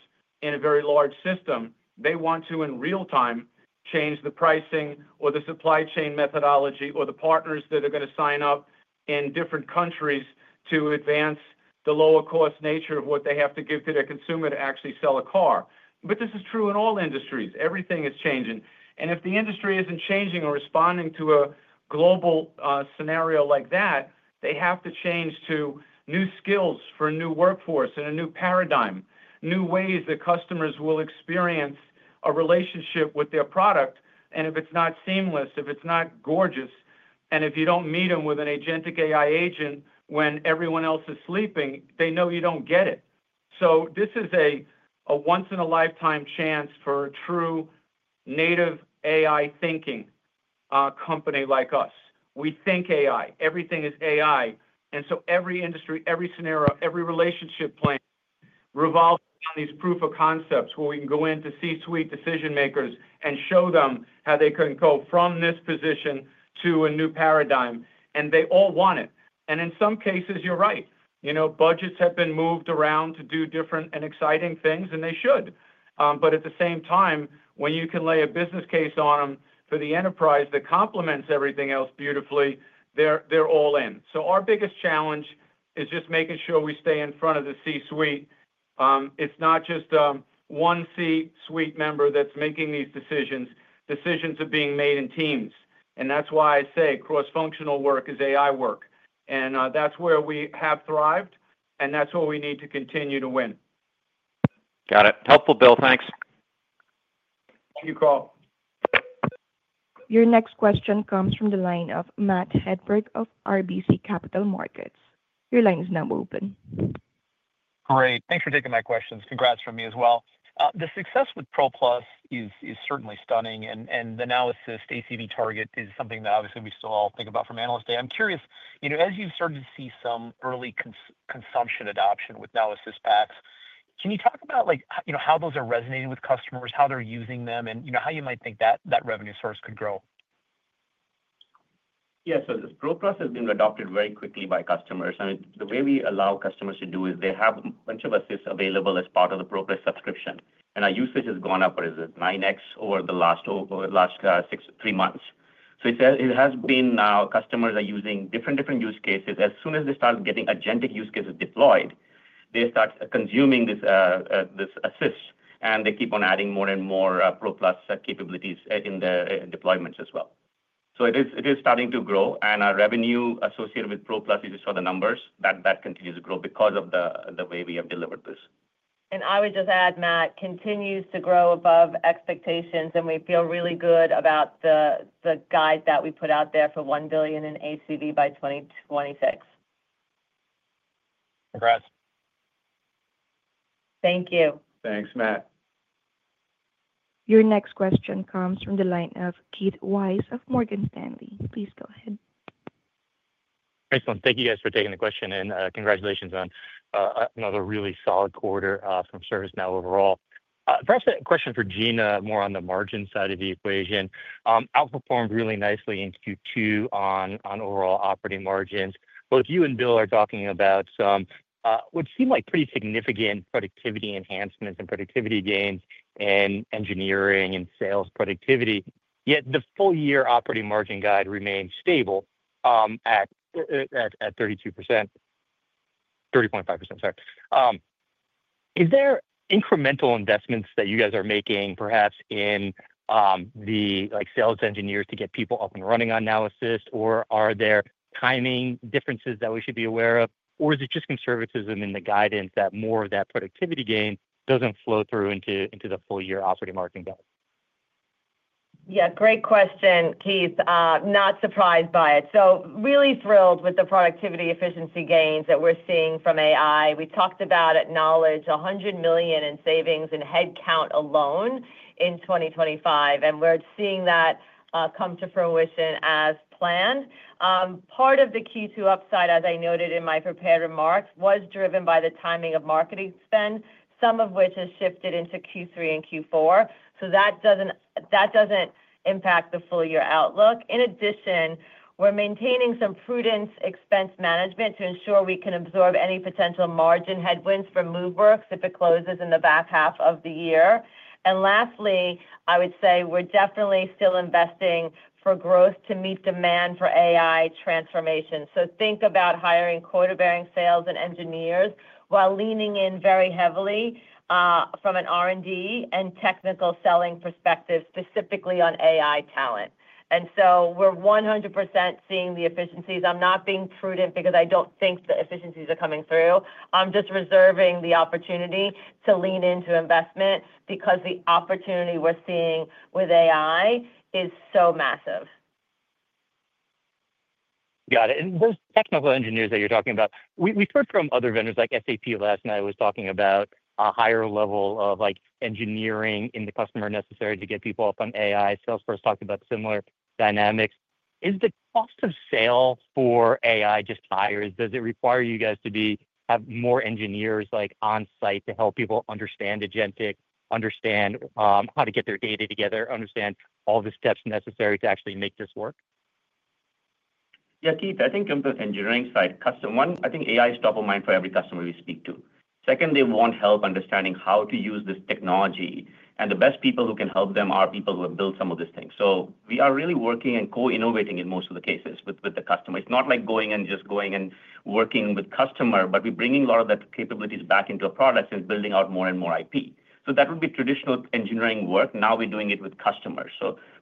in a very large system. They want to, in real time, change the pricing or the supply chain methodology or the partners that are going to sign up in different countries to advance the lower-cost nature of what they have to give to their consumer to actually sell a car. This is true in all industries. Everything is changing. If the industry is not changing or responding to a global scenario like that, they have to change to new skills for a new workforce and a new paradigm, new ways that customers will experience a relationship with their product. If it is not seamless, if it is not gorgeous, and if you do not meet them with an Agentic AI agent when everyone else is sleeping, they know you do not get it. This is a once-in-a-lifetime chance for a true native AI thinking company like us. We think AI. Everything is AI. Every industry, every scenario, every relationship plan revolves around these proof of concepts where we can go into C-suite decision-makers and show them how they can go from this position to a new paradigm. They all want it. In some cases, you're right. Budgets have been moved around to do different and exciting things, and they should. At the same time, when you can lay a business case on them for the enterprise that complements everything else beautifully, they're all in. Our biggest challenge is just making sure we stay in front of the C-suite. It's not just one C-suite member that's making these decisions. Decisions are being made in teams. That's why I say cross-functional work is AI work. That's where we have thrived. That's where we need to continue to win. Got it. Helpful, Bill. Thanks. Thank you. Carl Your next question comes from the line of Matt Hedberg of RBC Capital Markets. Your line is now open. Great. Thanks for taking my questions. Congrats from me as well. The success with Pro Plus is certainly stunning. The Now Assist ACV target is something that obviously we still all think about from analyst day. I'm curious, as you've started to see some early consumption adoption with Now Assist packs, can you talk about how those are resonating with customers, how they're using them, and how you might think that revenue source could grow? Yeah. Pro Plus has been adopted very quickly by customers. The way we allow customers to do is they have a bunch of assists available as part of the Pro Plus subscription. Our usage has gone up, what is it, 9x over the last three months. It has been now customers are using different use cases. As soon as they start getting agentic use cases deployed, they start consuming this assist. They keep on adding more and more Pro Plus capabilities in the deployments as well. It is starting to grow. Our revenue associated with Pro Plus, you just saw the numbers, that continues to grow because of the way we have delivered this. I would just add, Matt, continues to grow above expectations. We feel really good about the guide that we put out there for $1 billion in ACV by 2026. Congrats. Thank you. Thanks, Matt. Your next question comes from the line of Keith Weiss of Morgan Stanley. Please go ahead. Thank you, guys, for taking the question. Congratulations on another really solid quarter from ServiceNow overall. First, a question for Gina, more on the margin side of the equation. Outperformed really nicely in Q2 on overall operating margins. Both you and Bill are talking about some what seemed like pretty significant productivity enhancements and productivity gains in engineering and sales productivity. Yet the full-year operating margin guide remains stable at 32%. 30.5%, sorry. Is there incremental investments that you guys are making, perhaps in the sales engineers to get people up and running on Now Assist? Or are there timing differences that we should be aware of? Or is it just conservatism in the guidance that more of that productivity gain doesn't flow through into the full-year operating margin guide? Yeah, great question, Keith. Not surprised by it. Really thrilled with the productivity efficiency gains that we're seeing from AI. We talked about, acknowledge $100 million in savings in headcount alone in 2025. We're seeing that come to fruition as planned. Part of the Q2 upside, as I noted in my prepared remarks, was driven by the timing of marketing spend, some of which has shifted into Q3 and Q4. That doesn't impact the full-year outlook. In addition, we're maintaining some prudent expense management to ensure we can absorb any potential margin headwinds from Moveworks if it closes in the back half of the year. Lastly, I would say we're definitely still investing for growth to meet demand for AI transformation. Think about hiring quarter-bearing sales and engineers while leaning in very heavily from an R&D and technical selling perspective, specifically on AI talent. We're 100% seeing the efficiencies. I'm not being prudent because I don't think the efficiencies are coming through. I'm just reserving the opportunity to lean into investment because the opportunity we're seeing with AI is so massive. Got it. Those technical engineers that you're talking about, we heard from other vendors like SAP last night was talking about a higher level of engineering in the customer necessary to get people up on AI. Salesforce talked about similar dynamics. Is the cost of sale for AI just higher? Does it require you guys to have more engineers on site to help people understand agentic, understand how to get their data together, understand all the steps necessary to actually make this work? Yeah, Keith, I think on the engineering side, customer, one, I think AI is top of mind for every customer we speak to. Second, they want help understanding how to use this technology. The best people who can help them are people who have built some of these things. We are really working and co-innovating in most of the cases with the customer. It's not like going and just going and working with customer, but we're bringing a lot of that capabilities back into a product and building out more and more IP. That would be traditional engineering work. Now we're doing it with customers.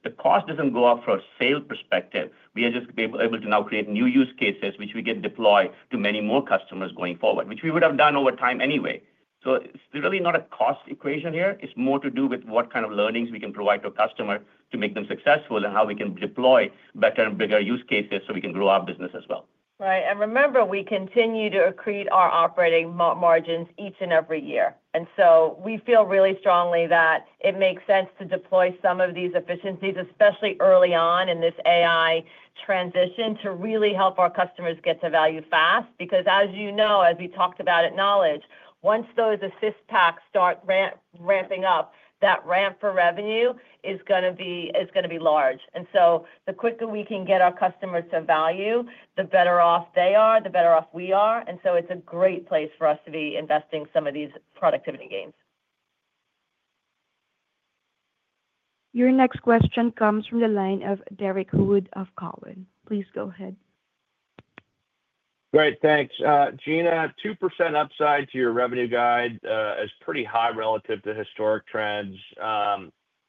The cost doesn't go up from a sale perspective. We are just able to now create new use cases, which we can deploy to many more customers going forward, which we would have done over time anyway. It's really not a cost equation here. It's more to do with what kind of learnings we can provide to a customer to make them successful and how we can deploy better and bigger use cases so we can grow our business as well. Right. Remember, we continue to accrete our operating margins each and every year. We feel really strongly that it makes sense to deploy some of these efficiencies, especially early on in this AI transition, to really help our customers get to value fast. Because, as you know, as we talked about at Knowledge, once those assist packs start ramping up, that ramp for revenue is going to be large. The quicker we can get our customers to value, the better off they are, the better off we are. It's a great place for us to be investing some of these productivity gains. Your next question comes from the line of Derek Wood of Cantor. Please go ahead. Great. Thanks. Gina, 2% upside to your revenue guide is pretty high relative to historic trends.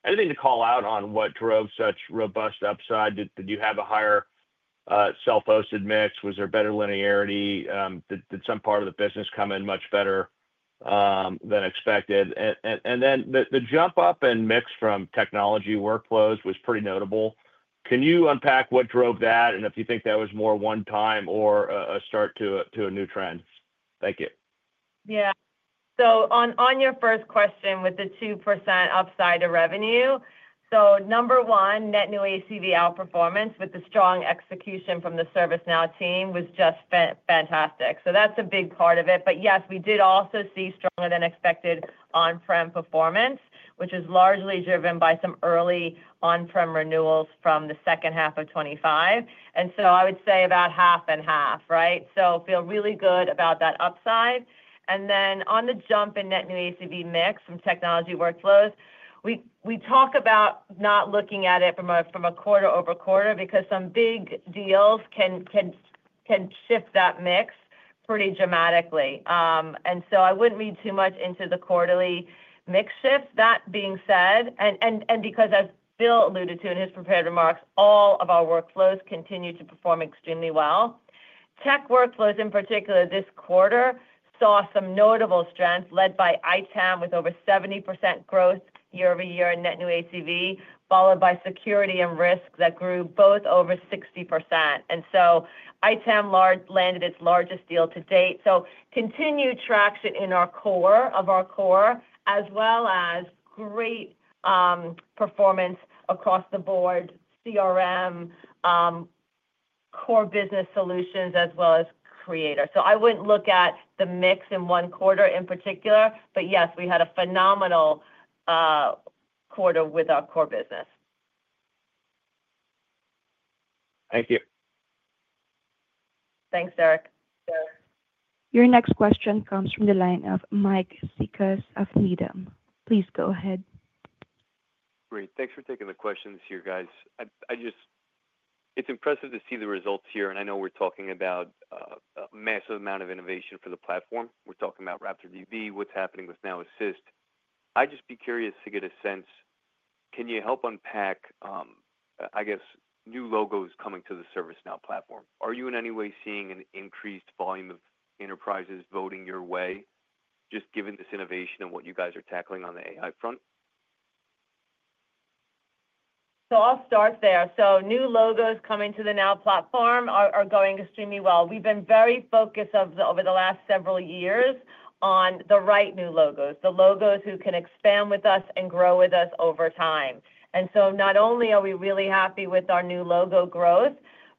Anything to call out on what drove such robust upside? Did you have a higher self-hosted mix? Was there better linearity? Did some part of the business come in much better than expected? The jump-up and mix from technology workflows was pretty notable. Can you unpack what drove that? If you think that was more one-time or a start to a new trend? Thank you. Yeah. On your first question with the 2% upside of revenue, number one, net new ACV outperformance with the strong execution from the ServiceNow team was just fantastic. That's a big part of it. Yes, we did also see stronger-than-expected on-prem performance, which is largely driven by some early on-prem renewals from the second half of 2025. I would say about half and half, right? Feel really good about that upside. On the jump in net new ACV mix from technology workflows, we talk about not looking at it from a quarter-over-quarter because some big deals can shift that mix pretty dramatically. I wouldn't read too much into the quarterly mix shift. That being said, because as Bill alluded to in his prepared remarks, all of our workflows continue to perform extremely well. Tech workflows in particular this quarter saw some notable strength led by ITAM with over 70% growth Year-over-Year in net new ACV, followed by security and risk that grew both over 60%. ITAM landed its largest deal to date. Continued traction in our core of our core, as well as great performance across the board, CRM, core business solutions, as well as Creator. I wouldn't look at the mix in one quarter in particular, but yes, we had a phenomenal quarter with our core business. Thank you. Thanks, Derek. Your next question comes from the line of Mike Sicker of Needham. Please go ahead. Great. Thanks for taking the questions here, guys. It's impressive to see the results here. I know we're talking about a massive amount of innovation for the platform. We're talking about RaptorDB Pro, what's happening with Now Assist. I'd just be curious to get a sense, can you help unpack, I guess, new logos coming to the ServiceNow platform? Are you in any way seeing an increased volume of enterprises voting your way, just given this innovation and what you guys are tackling on the AI front? I will start there. New logos coming to the Now platform are going extremely well. We've been very focused over the last several years on the right new logos, the logos who can expand with us and grow with us over time. Not only are we really happy with our new logo growth,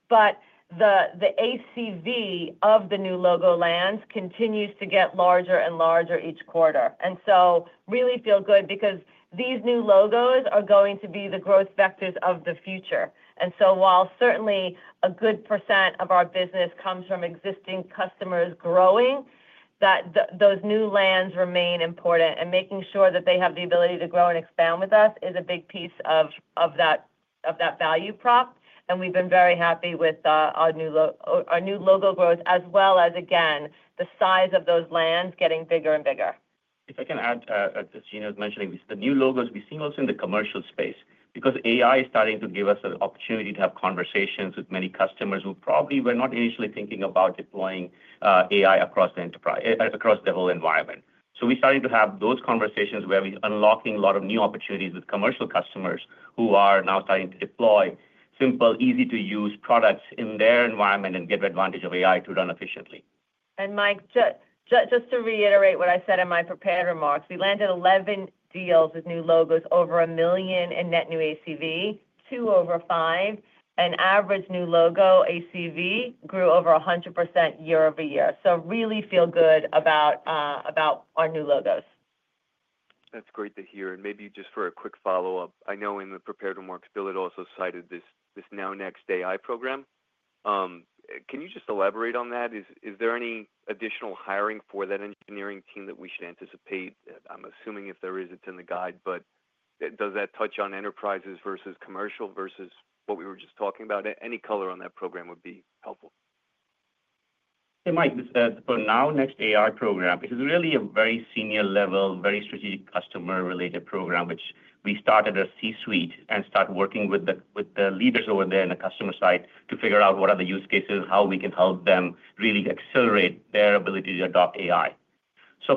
but the ACV of the new logo lands continues to get larger and larger each quarter. I really feel good because these new logos are going to be the growth vectors of the future. While certainly a good percent of our business comes from existing customers growing, those new lands remain important. Making sure that they have the ability to grow and expand with us is a big piece of that value prop. We've been very happy with our new logo growth, as well as, again, the size of those lands getting bigger and bigger. If I can add, as Gina was mentioning, the new logos we see most in the commercial space, because AI is starting to give us an opportunity to have conversations with many customers who probably were not initially thinking about deploying AI across the whole environment. We're starting to have those conversations where we're unlocking a lot of new opportunities with commercial customers who are now starting to deploy simple, easy-to-use products in their environment and get advantage of AI to run efficiently. Mike, just to reiterate what I said in my prepared remarks, we landed 11 deals with new logos, over $1 million in net new ACV, two over $5 million. Average new logo ACV grew over 100% Year-over-Year. I really feel good about our new logos. That's great to hear. Maybe just for a quick follow-up, I know in the prepared remarks, Bill had also cited this Now Next AI program. Can you just elaborate on that? Is there any additional hiring for that engineering team that we should anticipate? I'm assuming if there is, it's in the guide. Does that touch on enterprises versus commercial versus what we were just talking about? Any color on that program would be helpful. Hey, Mike, for Now Next AI program, it is really a very senior-level, very strategic customer-related program, which we started at C-suite and started working with the leaders over there on the customer side to figure out what are the use cases, how we can help them really accelerate their ability to adopt AI.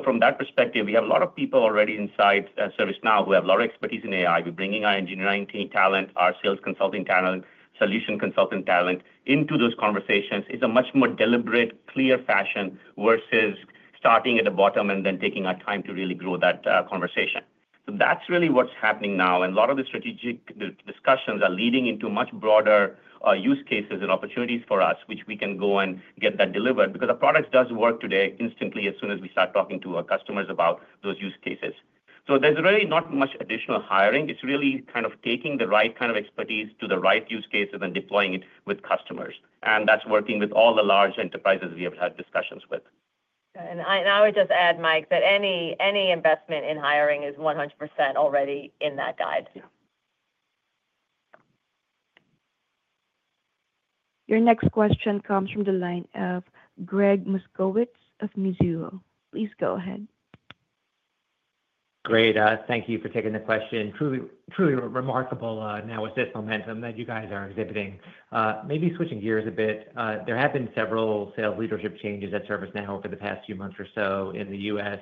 From that perspective, we have a lot of people already inside ServiceNow who have a lot of expertise in AI. We're bringing our engineering talent, our sales consulting talent, solution consulting talent into those conversations. It's a much more deliberate, clear fashion versus starting at the bottom and then taking our time to really grow that conversation. That's really what's happening now. A lot of the strategic discussions are leading into much broader use cases and opportunities for us, which we can go and get that delivered because our product does work today instantly as soon as we start talking to our customers about those use cases. There's really not much additional hiring. It's really kind of taking the right kind of expertise to the right use cases and deploying it with customers. That's working with all the large enterprises we have had discussions with. I would just add, Mike, that any investment in hiring is 100% already in that guide. Your next question comes from the line of Greg Moskowitz of Mizuho. Please go ahead. Great. Thank you for taking the question. Truly remarkable Now Assist momentum that you guys are exhibiting. Maybe switching gears a bit, there have been several sales leadership changes at ServiceNow over the past few months or so in the U.S.,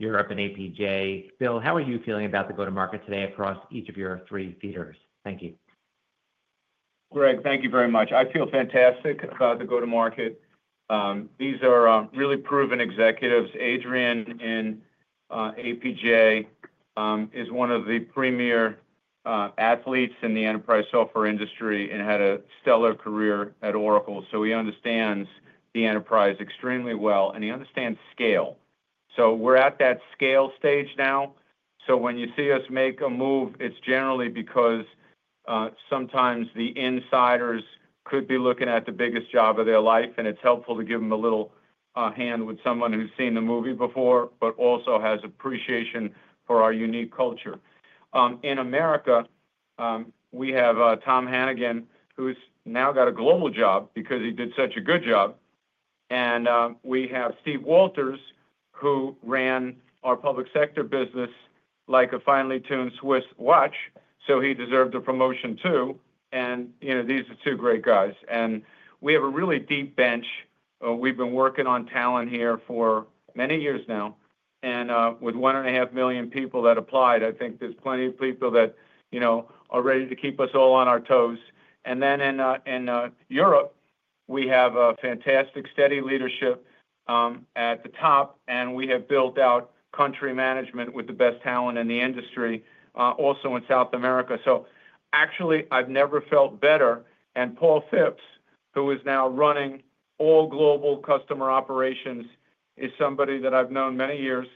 Europe, and APJ. Bill, how are you feeling about the go-to-market today across each of your three theaters? Thank you. Greg, thank you very much. I feel fantastic about the go-to-market. These are really proven executives. Adrian in APJ is one of the premier athletes in the enterprise software industry and had a stellar career at Oracle. He understands the enterprise extremely well, and he understands scale. We're at that scale stage now. When you see us make a move, it's generally because sometimes the insiders could be looking at the biggest job of their life, and it's helpful to give them a little hand with someone who's seen the movie before but also has appreciation for our unique culture. In America, we have Tom Hannigan, who's now got a global job because he did such a good job. We have Steve Walters, who ran our public sector business like a finely tuned Swiss watch. He deserved a promotion too. These are two great guys. We have a really deep bench. We've been working on talent here for many years now. With one and a half million people that applied, I think there's plenty of people that are ready to keep us all on our toes. And then in. Europe, we have a fantastic steady leadership at the top, and we have built out country management with the best talent in the industry, also in South America. Actually, I've never felt better. Paul Phipps, who is now running all global customer operations, is somebody that I've known many years.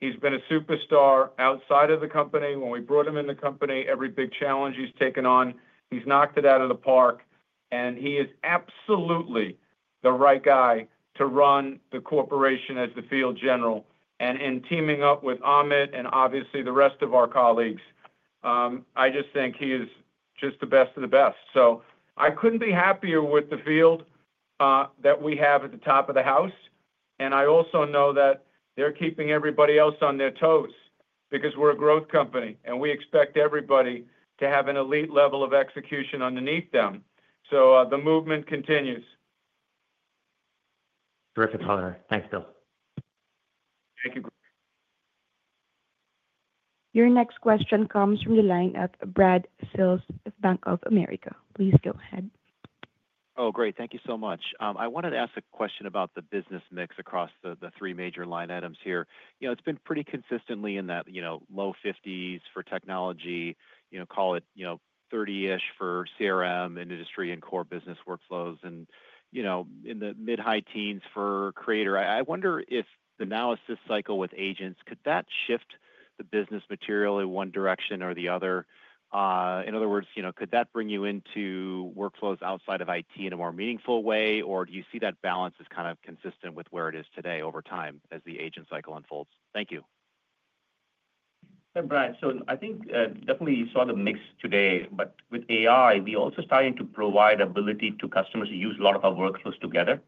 He's been a superstar outside of the company. When we brought him in the company, every big challenge he's taken on, he's knocked it out of the park. He is absolutely the right guy to run the corporation as the field general. In teaming up with Amit and obviously the rest of our colleagues, I just think he is just the best of the best. I couldn't be happier with the field that we have at the top of the house. I also know that they're keeping everybody else on their toes because we're a growth company, and we expect everybody to have an elite level of execution underneath them. The movement continues. Terrific honor. Thanks, Bill. Thank you. Your next question comes from the line of Brad Sills of Bank of America. Please go ahead. Oh, great. Thank you so much. I wanted to ask a question about the business mix across the three major line items here. It's been pretty consistently in that low 50s for technology, call it 30-ish for CRM and industry and core business workflows, and in the mid-high teens for creator. I wonder if the Now Assist cycle with agents, could that shift the business materially one direction or the other? In other words, could that bring you into workflows outside of IT in a more meaningful way, or do you see that balance as kind of consistent with where it is today over time as the agent cycle unfolds? Thank you. Hey, Brad. I think definitely you saw the mix today. With AI, we also started to provide ability to customers to use a lot of our workflows together.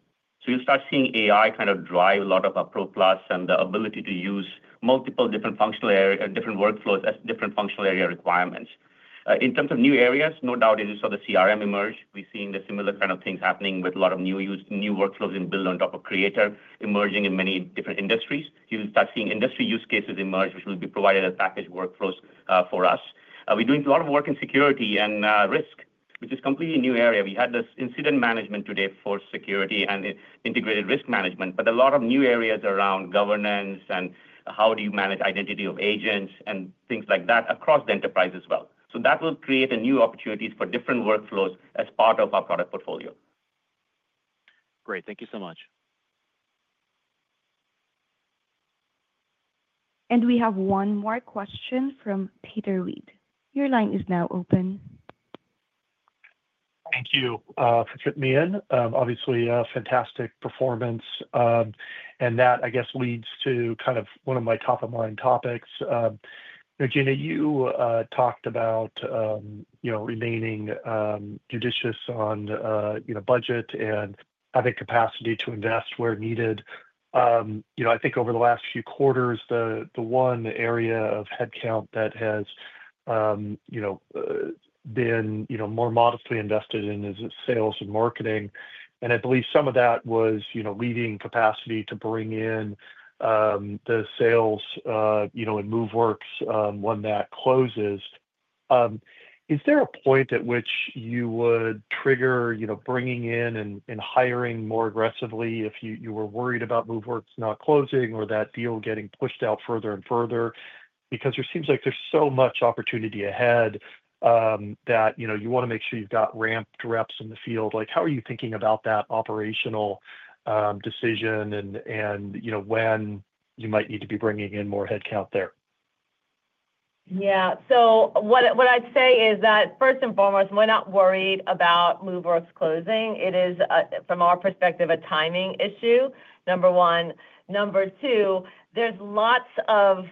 You'll start seeing AI kind of drive a lot of our Pro Plus and the ability to use multiple different functional areas, different workflows as different functional area requirements. In terms of new areas, no doubt as you saw the CRM emerge, we're seeing the similar kind of things happening with a lot of new workflows in build on top of creator emerging in many different industries. You'll start seeing industry use cases emerge, which will be provided as packaged workflows for us. We're doing a lot of work in security and risk, which is a completely new area. We had this incident management today for security and integrated risk management, but a lot of new areas around governance and how do you manage identity of agents and things like that across the enterprise as well. That will create new opportunities for different workflows as part of our product portfolio. Great. Thank you so much. We have one more question from Peter Rhee. Your line is now open. Thank you for fitting me in. Obviously, fantastic performance. That, I guess, leads to kind of one of my top-of-mind topics. Gina, you talked about remaining judicious on budget and having capacity to invest where needed. I think over the last few quarters, the one area of headcount that has been more modestly invested in is sales and marketing. I believe some of that was leading capacity to bring in the sales and Moveworks when that closes. Is there a point at which you would trigger bringing in and hiring more aggressively if you were worried about Moveworks not closing or that deal getting pushed out further and further? It seems like there's so much opportunity ahead that you want to make sure you've got ramped reps in the field. How are you thinking about that operational decision and when you might need to be bringing in more headcount there? Yeah. What I'd say is that, first and foremost, we're not worried about Moveworks closing. It is, from our perspective, a timing issue, number one. Number two, there's lots of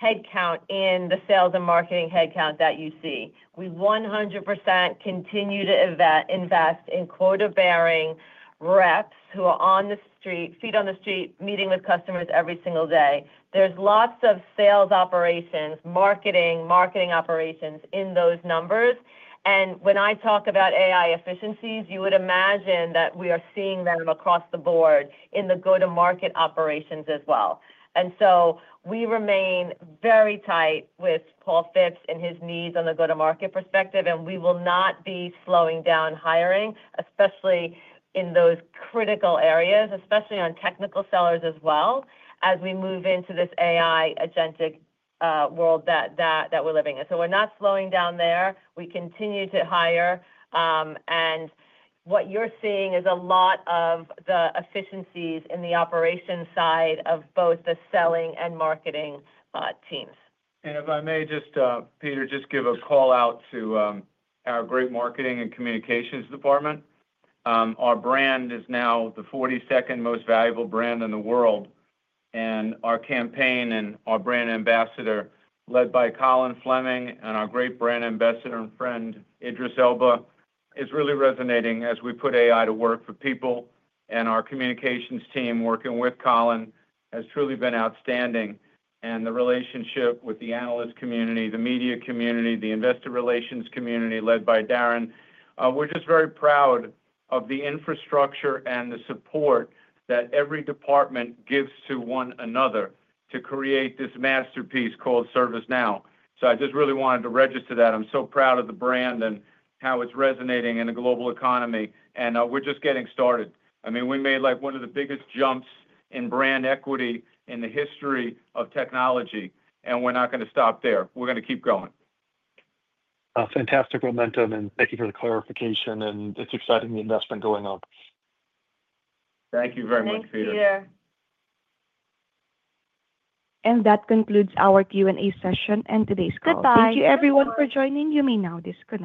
headcount in the sales and marketing headcount that you see. We 100% continue to invest in quota-bearing reps who are on the street, feet on the street, meeting with customers every single day. There's lots of sales operations, marketing, marketing operations in those numbers. When I talk about AI efficiencies, you would imagine that we are seeing them across the board in the go-to-market operations as well. We remain very tight with Paul Phipps and his needs on the go-to-market perspective, and we will not be slowing down hiring, especially in those critical areas, especially on technical sellers as well, as we move into this AI agentic world that we're living in. We're not slowing down there. We continue to hire. What you're seeing is a lot of the efficiencies in the operation side of both the selling and marketing teams. If I may just, Peter, just give a call out to our great marketing and communications department. Our brand is now the 40 second most valuable brand in the world. Our campaign and our brand ambassador, led by Cantor Fleming and our great brand ambassador and friend, Idris Elba, is really resonating as we put AI to work for people. Our communications team, working with Cantor, has truly been outstanding. The relationship with the analyst community, the media community, the investor relations community led by Darren, we're just very proud of the infrastructure and the support that every department gives to one another to create this masterpiece called ServiceNow. I just really wanted to register that. I'm so proud of the brand and how it's resonating in the global economy. We're just getting started. I mean, we made one of the biggest jumps in brand equity in the history of technology. We are not going to stop there. We are going to keep going. Fantastic momentum. Thank you for the clarification. It is exciting investment going on. Thank you very much, Peter. Thank you. That concludes our Q&A session and today's call. Goodbye. Thank you, everyone, for joining. You may now disconnect.